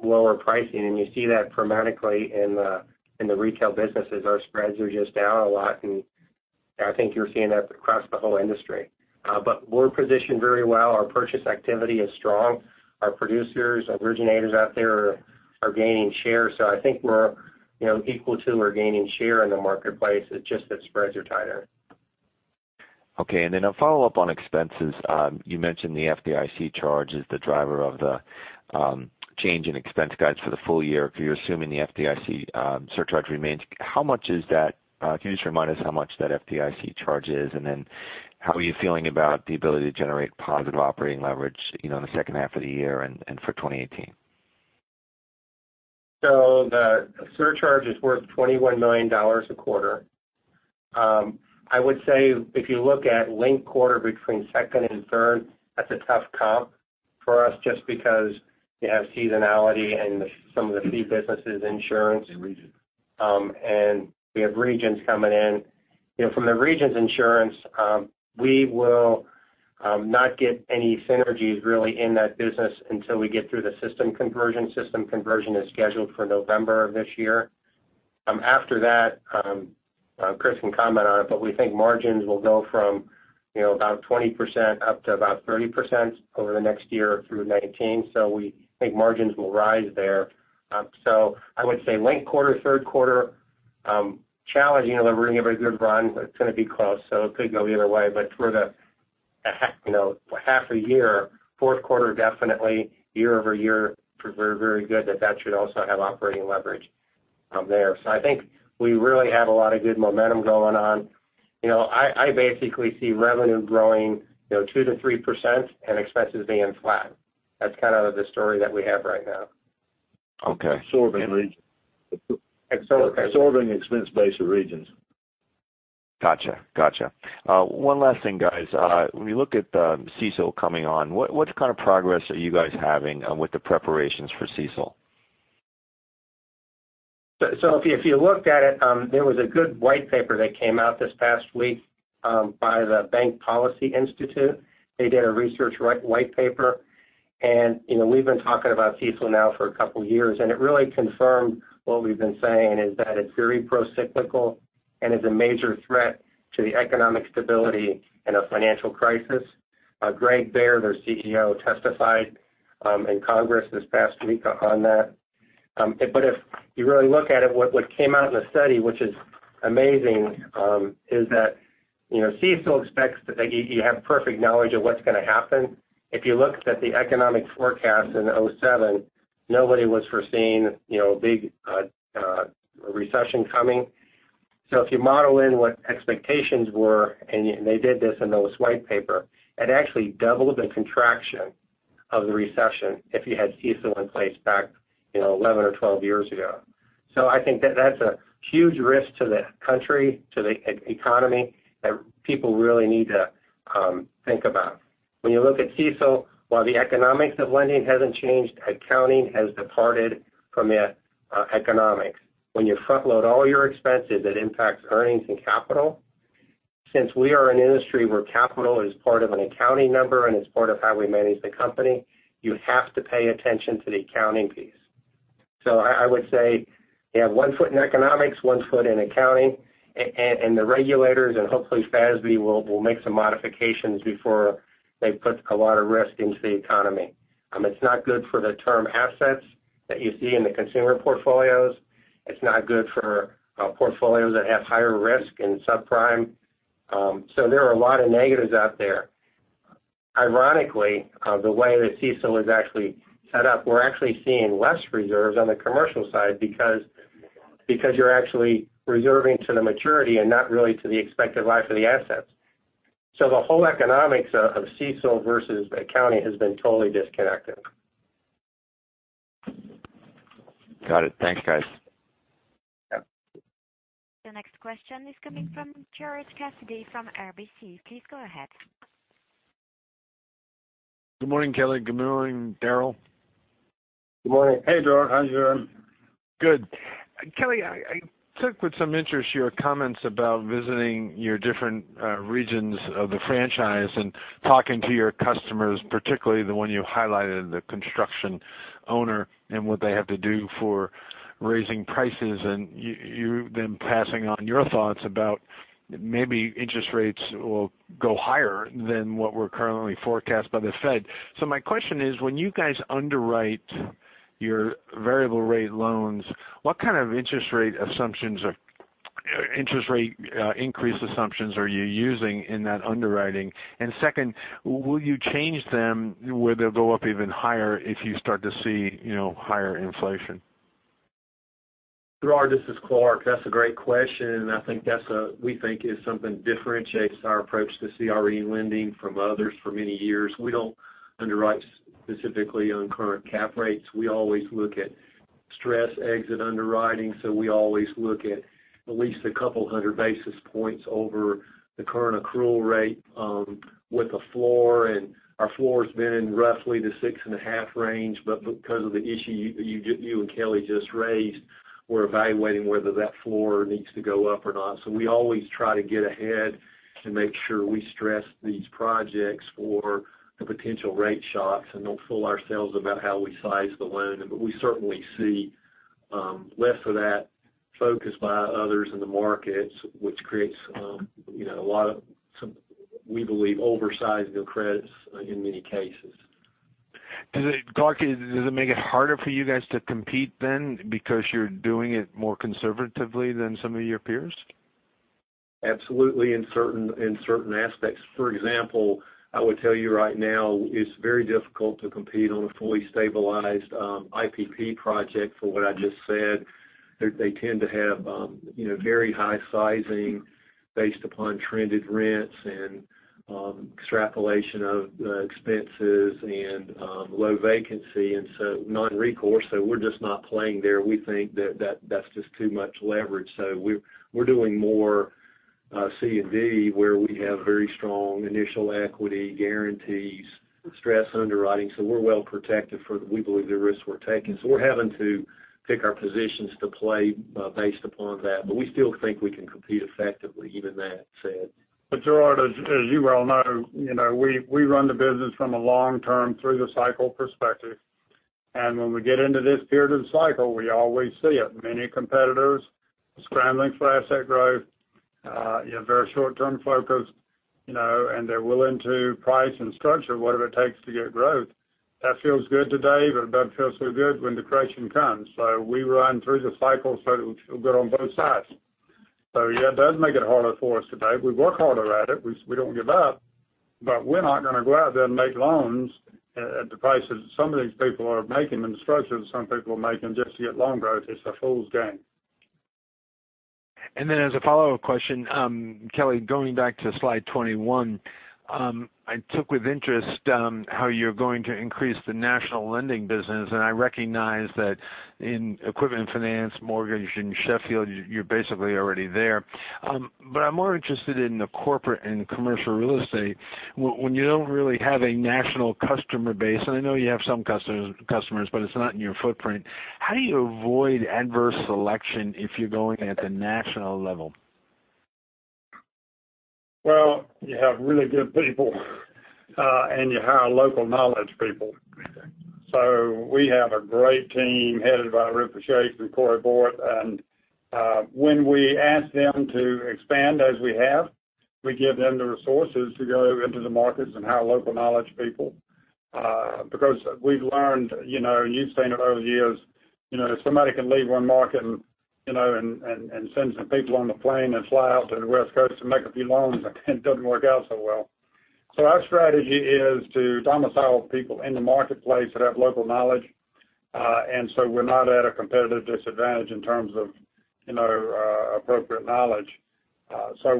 lower pricing. You see that dramatically in the retail businesses. Our spreads are just down a lot, and I think you're seeing that across the whole industry. We're positioned very well. Our purchase activity is strong. Our producers, our originators out there are gaining share. I think we're equal to or gaining share in the marketplace. It's just that spreads are tighter. Okay. A follow-up on expenses. You mentioned the FDIC charge is the driver of the change in expense guides for the full year. If you're assuming the FDIC surcharge remains, can you just remind us how much that FDIC charge is. How are you feeling about the ability to generate positive operating leverage in the second half of the year and for 2018? The surcharge is worth $21 million a quarter. I would say if you look at linked quarter between second and third, that's a tough comp for us just because you have seasonality and some of the fee businesses insurance. Regions. We have Regions coming in. From the Regions Insurance, we will not get any synergies really in that business until we get through the system conversion. System conversion is scheduled for November of this year. After that, Chris can comment on it, but we think margins will go from about 20% up to about 30% over the next year through 2019. We think margins will rise there. I would say linked quarter, third quarter, challenging. They're running a very good run, but it's going to be close, so it could go the other way. For half a year, fourth quarter definitely year-over-year, very good that that should also have operating leverage there. I think we really have a lot of good momentum going on. I basically see revenue growing 2%-3% and expenses being flat. That's kind of the story that we have right now. Okay. Absorbing expense base of Regions. Got you. One last thing, guys. When you look at CECL coming on, what kind of progress are you guys having with the preparations for CECL? If you looked at it, there was a good white paper that came out this past week by the Bank Policy Institute. They did a research white paper. We've been talking about CECL now for a couple of years, and it really confirmed what we've been saying is that it's very procyclical and is a major threat to the economic stability in a financial crisis. Greg Baer, their CEO, testified in Congress this past week on that. If you really look at it, what came out in the study, which is amazing, is that CECL expects that you have perfect knowledge of what's going to happen. If you looked at the economic forecast in 2007, nobody was foreseeing a big recession coming. If you model in what expectations were, and they did this in the white paper, it actually doubled the contraction of the recession if you had CECL in place back 11 or 12 years ago. I think that's a huge risk to the country, to the economy, that people really need to think about. When you look at CECL, while the economics of lending hasn't changed, accounting has departed from the economics. When you front-load all your expenses, it impacts earnings and capital. Since we are an industry where capital is part of an accounting number and it's part of how we manage the company, you have to pay attention to the accounting piece. I would say you have one foot in economics, one foot in accounting, and the regulators, and hopefully FASB, will make some modifications before they put a lot of risk into the economy. It's not good for the term assets that you see in the consumer portfolios. It's not good for portfolios that have higher risk in subprime. There are a lot of negatives out there. Ironically, the way that CECL is actually set up, we're actually seeing less reserves on the commercial side because you're actually reserving to the maturity and not really to the expected life of the assets. The whole economics of CECL versus accounting has been totally disconnected. Got it. Thanks, guys. Yep. The next question is coming from Gerard Cassidy from RBC. Please go ahead. Good morning, Kelly. Good morning, Daryl. Good morning. Hey, Gerard. How's it going? Good. Kelly, I took with some interest your comments about visiting your different regions of the franchise and talking to your customers, particularly the one you highlighted, the construction owner, and what they have to do for raising prices, and you then passing on your thoughts about maybe interest rates will go higher than what were currently forecast by the Fed. My question is: when you guys underwrite your variable rate loans, what kind of interest rate increase assumptions are you using in that underwriting? Second, will you change them, will they go up even higher if you start to see higher inflation? Gerard, this is Clarke. That's a great question. I think that's something differentiates our approach to CRE lending from others for many years. We don't underwrite specifically on current cap rates. We always look at stress exit underwriting, we always look at least a couple of hundred basis points over the current accrual rate with the floor. Our floor's been in roughly the six and a half range, because of the issue you and Kelly just raised, we're evaluating whether that floor needs to go up or not. We always try to get ahead and make sure we stress these projects for the potential rate shocks and don't fool ourselves about how we size the loan. We certainly see less of that focus by others in the markets, which creates a lot of, we believe, oversizing of credits in many cases. Clarke, does it make it harder for you guys to compete because you're doing it more conservatively than some of your peers? Absolutely, in certain aspects. For example, I would tell you right now, it's very difficult to compete on a fully stabilized IPP project for what I just said. They tend to have very high sizing based upon trended rents and extrapolation of expenses and low vacancy, non-recourse, we're just not playing there. We think that that's just too much leverage. We're doing more C&D where we have very strong initial equity guarantees, stress underwriting, we're well-protected for, we believe, the risks we're taking. We're having to pick our positions to play based upon that. We still think we can compete effectively, even that said. Gerard, as you well know, we run the business from a long-term through the cycle perspective. When we get into this period of cycle, we always see it. Many competitors scrambling for asset growth, very short-term focused, and they're willing to price and structure whatever it takes to get growth. That feels good today, but it doesn't feel so good when depression comes. We run through the cycle so it'll feel good on both sides. Yeah, it does make it harder for us today. We work harder at it. We don't give up, we're not going to go out there and make loans at the prices some of these people are making and the structures some people are making just to get loan growth. It's a fool's game. As a follow-up question, Kelly, going back to slide 21. I took with interest how you're going to increase the national lending business, and I recognize that in equipment finance, mortgage, and Sheffield Financial, you're basically already there. I'm more interested in the corporate and commercial real estate. When you don't really have a national customer base, and I know you have some customers, but it's not in your footprint, how do you avoid adverse selection if you're going at the national level? You have really good people and you hire local knowledge people. We have a great team headed by Rupa Shah and Corey Borst, and when we ask them to expand as we have, we give them the resources to go into the markets and hire local knowledge people. Because we've learned, and you've seen it over the years, if somebody can leave one market and send some people on the plane and fly out to the West Coast to make a few loans, it doesn't work out so well. Our strategy is to domicile people in the marketplace that have local knowledge, we're not at a competitive disadvantage in terms of appropriate knowledge.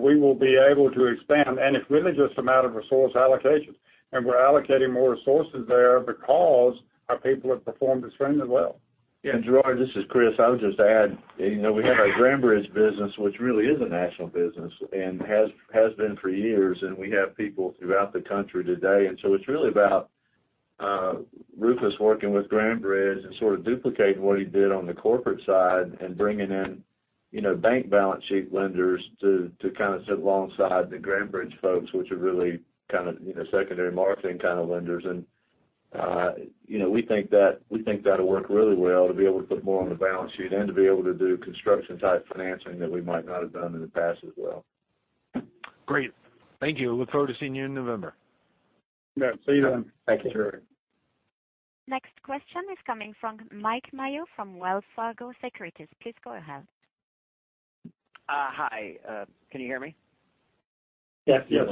We will be able to expand, and it's really just a matter of resource allocation. We're allocating more resources there because our people have performed extremely well. Gerard, this is Chris Henson. I would just add, we have our Grandbridge business, which really is a national business and has been for years, and we have people throughout the country today. It's really about Rufus Yates working with Grandbridge and sort of duplicating what he did on the corporate side and bringing in bank balance sheet lenders to sit alongside the Grandbridge folks, which are really secondary marketing kind of lenders. We think that'll work really well to be able to put more on the balance sheet and to be able to do construction-type financing that we might not have done in the past as well. Great. Thank you. Look forward to seeing you in November. Yeah. See you then. Thank you, Gerard. Next question is coming from Mike Mayo from Wells Fargo Securities. Please go ahead. Hi, can you hear me? Yes. Yes.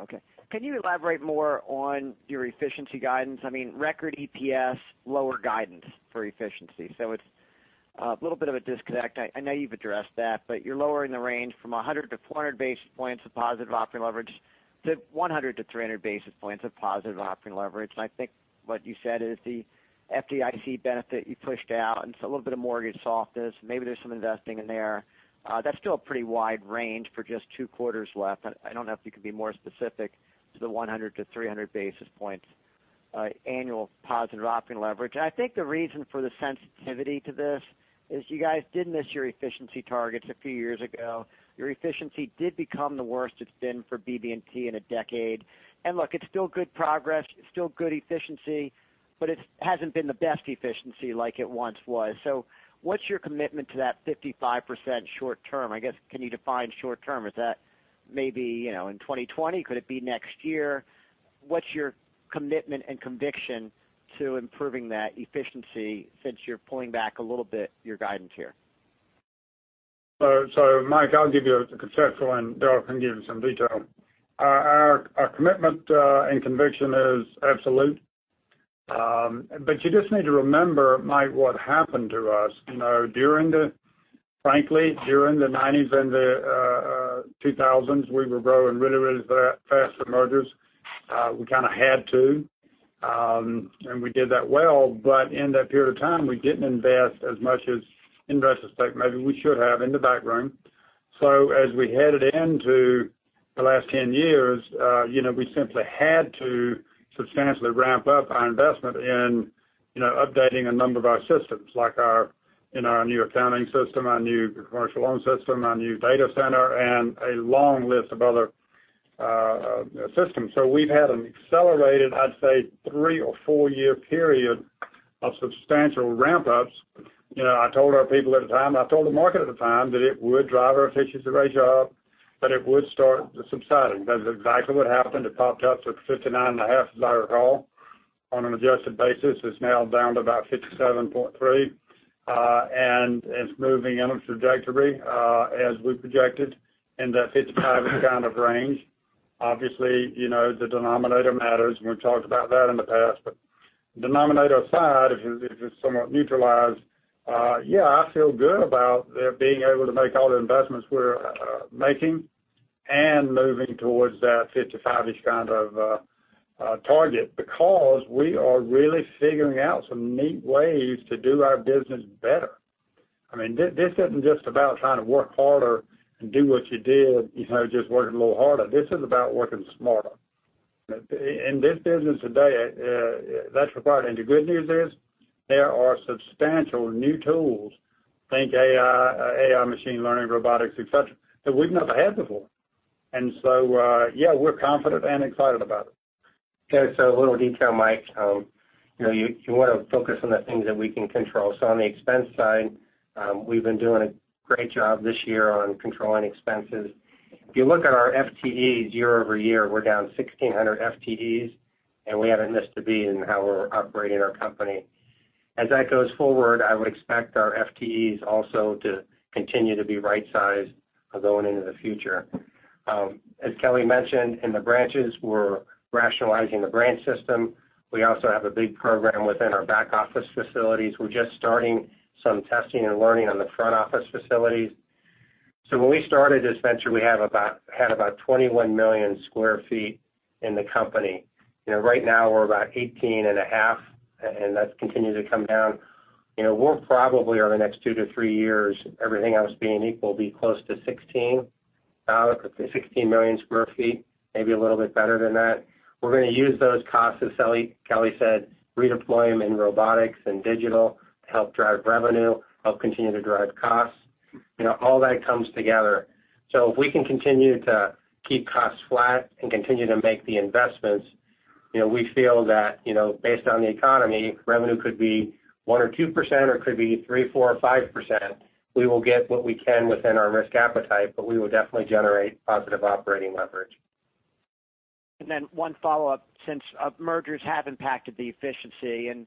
Okay. Can you elaborate more on your efficiency guidance? I mean, record EPS, lower guidance for efficiency. It's a little bit of a disconnect. I know you've addressed that, but you're lowering the range from 100-400 basis points of positive operating leverage to 100-300 basis points of positive operating leverage. I think what you said is the FDIC benefit you pushed out, and so a little bit of mortgage softness. Maybe there's some investing in there. That's still a pretty wide range for just two quarters left. I don't know if you could be more specific to the 100-300 basis points annual positive operating leverage. I think the reason for the sensitivity to this is you guys did miss your efficiency targets a few years ago. Your efficiency did become the worst it's been for BB&T in a decade. Look, it's still good progress, it's still good efficiency, but it hasn't been the best efficiency like it once was. What's your commitment to that 55% short term? I guess, can you define short term? Is that maybe in 2020? Could it be next year? What's your commitment and conviction to improving that efficiency since you're pulling back a little bit your guidance here? Mike, I'll give you a conceptual, and Daryl can give you some detail. Our commitment and conviction is absolute. But you just need to remember, Mike, what happened to us. Frankly, during the '90s and the 2000s, we were growing really, really fast through mergers. We kind of had to. We did that well, but in that period of time, we didn't invest as much as, in retrospect, maybe we should have in the back room. We simply had to substantially ramp up our investment in updating a number of our systems, like our new accounting system, our new commercial loan system, our new data center, and a long list of other systems. We've had an accelerated, I'd say, three or four-year period of substantial ramp-ups. I told our people at the time, and I told the market at the time that it would drive our efficiency ratio up, but it would start subsiding. That is exactly what happened. It popped up to 59.5, as I recall, on an adjusted basis. It's now down to about 57.3. It's moving in a trajectory as we projected in that 55-ish kind of range. Obviously, the denominator matters, and we've talked about that in the past, but denominator aside, if it's somewhat neutralized, yeah, I feel good about being able to make all the investments we're making and moving towards that 55-ish kind of target because we are really figuring out some neat ways to do our business better. This isn't just about trying to work harder and do what you did, just working a little harder. This is about working smarter. In this business today, that's required. The good news is there are substantial new tools, think AI, machine learning, robotics, et cetera, that we've never had before. Yeah, we're confident and excited about it. Okay, a little detail, Mike. You want to focus on the things that we can control. On the expense side, we've been doing a great job this year on controlling expenses. If you look at our FTEs year-over-year, we're down 1,600 FTEs, and we haven't missed a beat in how we're operating our company. As that goes forward, I would expect our FTEs also to continue to be right-sized going into the future. As Kelly mentioned, in the branches, we're rationalizing the branch system. We also have a big program within our back office facilities. We're just starting some testing and learning on the front office facilities. When we started this venture, we had about 21 million square feet in the company. Right now, we're about 18.5, and that's continued to come down. We'll probably, over the next two to three years, everything else being equal, be close to 16 million square feet, maybe a little bit better than that. We're going to use those costs, as Kelly said, redeploy them in robotics and digital to help drive revenue, help continue to drive costs. All that comes together. If we can continue to keep costs flat and continue to make the investments, we feel that based on the economy, revenue could be 1% or 2%, or it could be 3%, 4%, or 5%. We will get what we can within our risk appetite, but we will definitely generate positive operating leverage. One follow-up, since mergers have impacted the efficiency and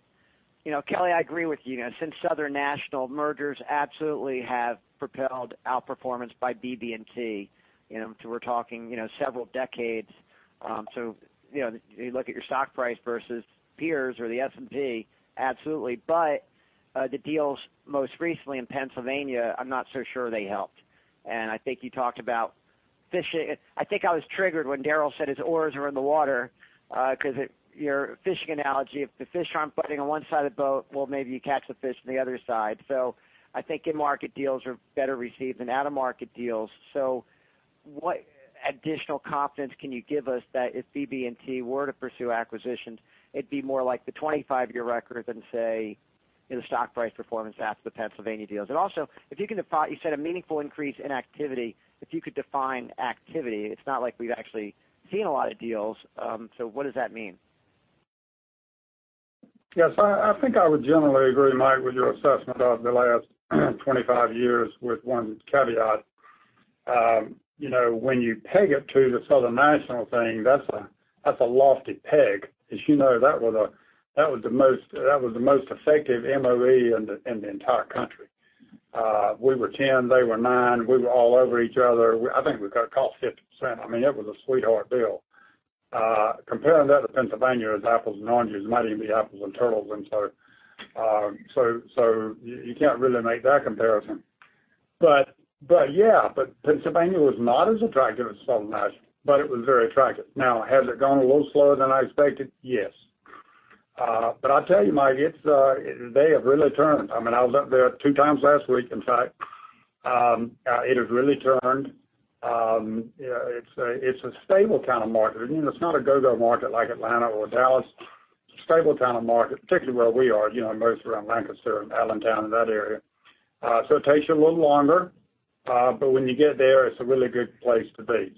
Kelly, I agree with you. Since Southern National, mergers absolutely have propelled outperformance by BB&T. We're talking several decades. You look at your stock price versus peers or the S&P, absolutely. The deals most recently in Pennsylvania, I'm not so sure they helped. I think you talked about fishing. I think I was triggered when Daryl said his oars were in the water because your fishing analogy, if the fish aren't biting on one side of the boat, well, maybe you catch a fish on the other side. I think in-market deals are better received than out-of-market deals. What additional confidence can you give us that if BB&T were to pursue acquisitions, it'd be more like the 25-year record than, say, the stock price performance after the Pennsylvania deals? Also, you said a meaningful increase in activity. If you could define activity, it's not like we've actually seen a lot of deals. What does that mean? Yes, I think I would generally agree, Mike, with your assessment of the last 25 years with one caveat. When you peg it to the Southern National thing, that's a lofty peg. As you know, that was the most effective M&A in the entire country. We were 10, they were nine. We were all over each other. I think we got cost 50%. It was a sweetheart deal. Comparing that to Pennsylvania is apples and oranges, might even be apples and turtles. You can't really make that comparison. Pennsylvania was not as attractive as Southern National, but it was very attractive. Now, has it gone a little slower than I expected? Yes. I'll tell you, Mike, they have really turned. I was up there two times last week, in fact. It has really turned. It's a stable kind of market. It's not a go-go market like Atlanta or Dallas. Stable kind of market, particularly where we are, mostly around Lancaster and Allentown and that area. It takes you a little longer. When you get there, it's a really good place to be.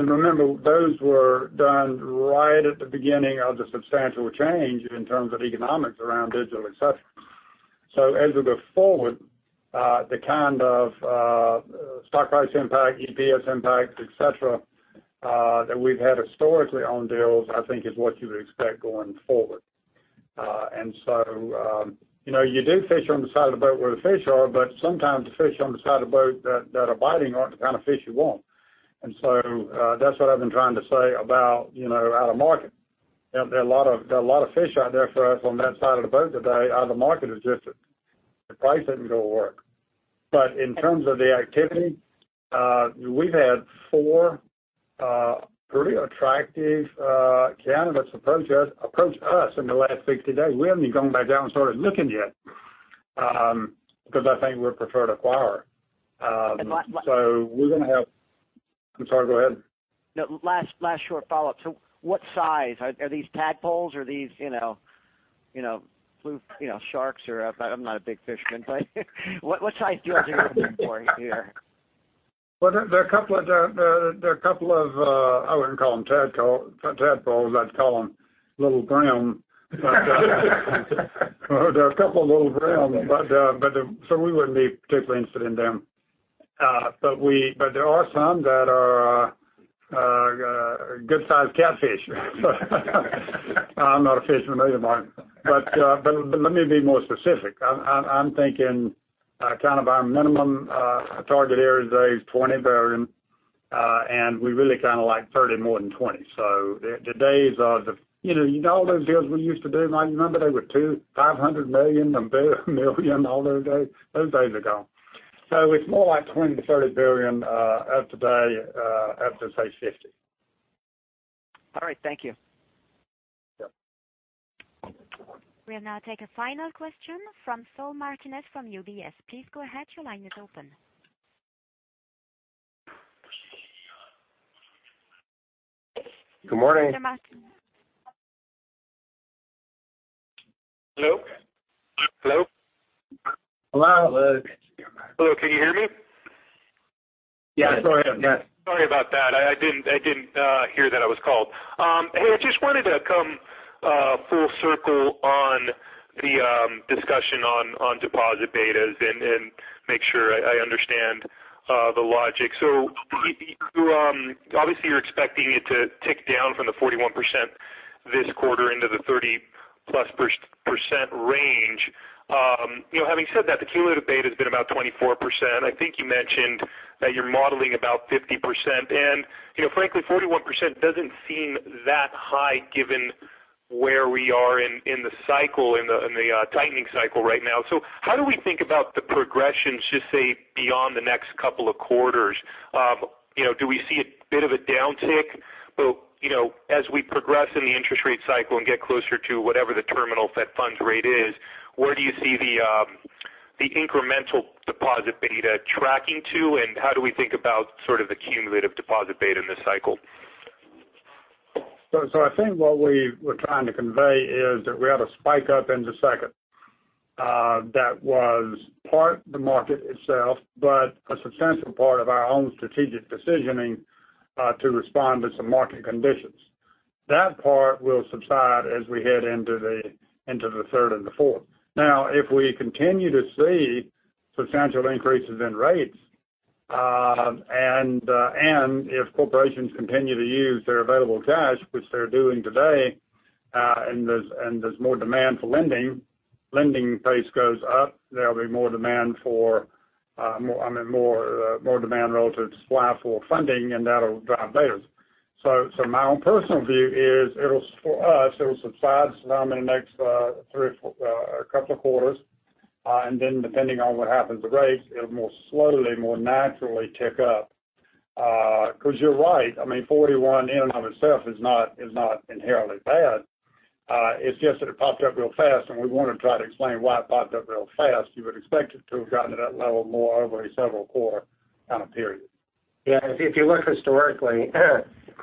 Remember, those were done right at the beginning of the substantial change in terms of economics around digital, et cetera. As we go forward, the kind of stock price impact, EPS impact, et cetera, that we've had historically on deals, I think is what you would expect going forward. You do fish on the side of the boat where the fish are, sometimes the fish on the side of the boat that are biting aren't the kind of fish you want. That's what I've been trying to say about out-of-market. There are a lot of fish out there for us on that side of the boat today. Out-of-market is just the price doesn't go to work. In terms of the activity, we've had four pretty attractive candidates approach us in the last 60 days. We haven't even gone back out and started looking yet because I think we're preferred acquirer. last- We're going to have I'm sorry, go ahead. No, last short follow-up. What size? Are these tadpoles or are these sharks? I'm not a big fisherman, but what size are you looking for here? Well, they're a couple of, I wouldn't call them tadpoles. I'd call them little brown. There are a couple of little brown, we wouldn't be particularly interested in them. There are some that are good-sized catfish. I'm not a fisherman either, Mike. Let me be more specific. I'm thinking kind of our minimum target area is $20 billion, and we really kind of like $30 billion more than $20 billion. You know all those deals we used to do, Mike? You remember they were 2, $500 million, $1 billion, all those days? Those days are gone. It's more like $20 billion-$30 billion up to, say, $50 billion. All right. Thank you. Yep. We'll now take a final question from Saul Martinez from UBS. Please go ahead. Your line is open. Good morning. Saul Martinez. Hello? Hello. Hello. Hello. Can you hear me? Yes. Sorry about that. I didn't hear that I was called. Hey, I just wanted to come full circle on the discussion on deposit betas and make sure I understand the logic. Obviously, you're expecting it to tick down from the 41% this quarter into the 30-plus % range. Having said that, the cumulative beta has been about 24%. I think you mentioned that you're modeling about 50%. Frankly, 41% doesn't seem that high given where we are in the tightening cycle right now. How do we think about the progressions, just say, beyond the next couple of quarters? Do we see a bit of a downtick? As we progress in the interest rate cycle and get closer to whatever the terminal Fed funds rate is, where do you see the incremental deposit beta tracking to, and how do we think about sort of the cumulative deposit beta in this cycle? I think what we were trying to convey is that we had a spike up into second. That was part the market itself, but a substantial part of our own strategic decisioning to respond to some market conditions. That part will subside as we head into the third and the fourth. If we continue to see substantial increases in rates and if corporations continue to use their available cash, which they're doing today, and there's more demand for lending pace goes up. There'll be more demand relative to supply for funding, and that'll drive betas. My own personal view is, for us, it'll subside some in the next couple of quarters. Then depending on what happens with rates, it'll more slowly, more naturally tick up. You're right, 41 in and of itself is not inherently bad. It's just that it popped up real fast, and we want to try to explain why it popped up real fast. You would expect it to have gotten to that level more over a several quarter kind of period. Yeah. If you look historically, in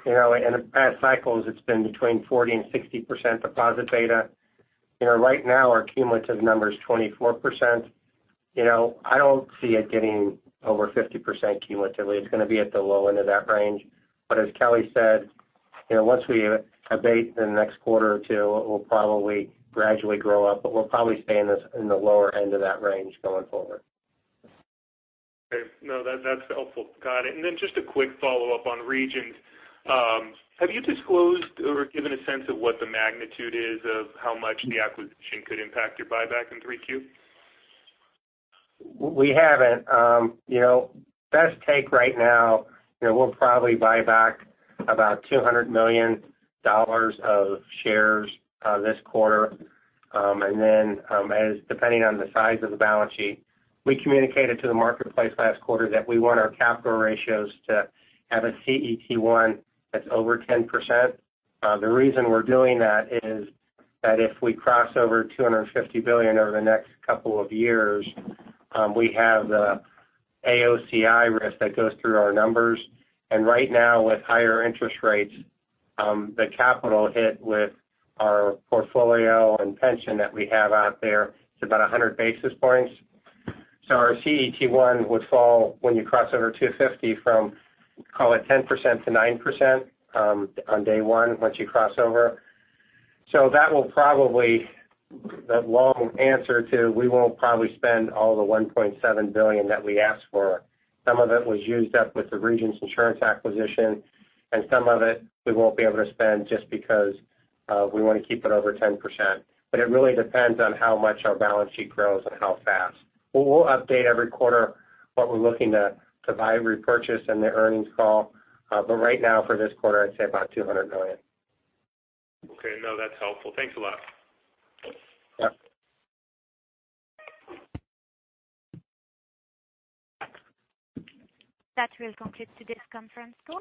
the past cycles, it's been between 40% and 60% deposit beta. Right now our cumulative number is 24%. I don't see it getting over 50% cumulatively. It's going to be at the low end of that range. As Kelly said, once we abate in the next quarter or two, it will probably gradually grow up, but we'll probably stay in the lower end of that range going forward. Okay. No, that's helpful. Got it. Then just a quick follow-up on Regions. Have you disclosed or given a sense of what the magnitude is of how much the acquisition could impact your buyback in 3Q? We haven't. Best take right now, we'll probably buy back about $200 million of shares this quarter. Depending on the size of the balance sheet, we communicated to the marketplace last quarter that we want our capital ratios to have a CET1 that's over 10%. The reason we're doing that is that if we cross over $250 billion over the next couple of years, we have the AOCI risk that goes through our numbers. Right now, with higher interest rates, the capital hit with our portfolio and pension that we have out there is about 100 basis points. Our CET1 would fall when you cross over 250 from, call it 10% to 9% on day one once you cross over. That long answer to, we won't probably spend all the $1.7 billion that we asked for. Some of it was used up with the Regions Insurance acquisition, and some of it we won't be able to spend just because we want to keep it over 10%. It really depends on how much our balance sheet grows and how fast. We'll update every quarter what we're looking to buy, repurchase in the earnings call. Right now for this quarter, I'd say about $200 million. Okay. No, that's helpful. Thanks a lot. Yep. That will conclude today's conference call.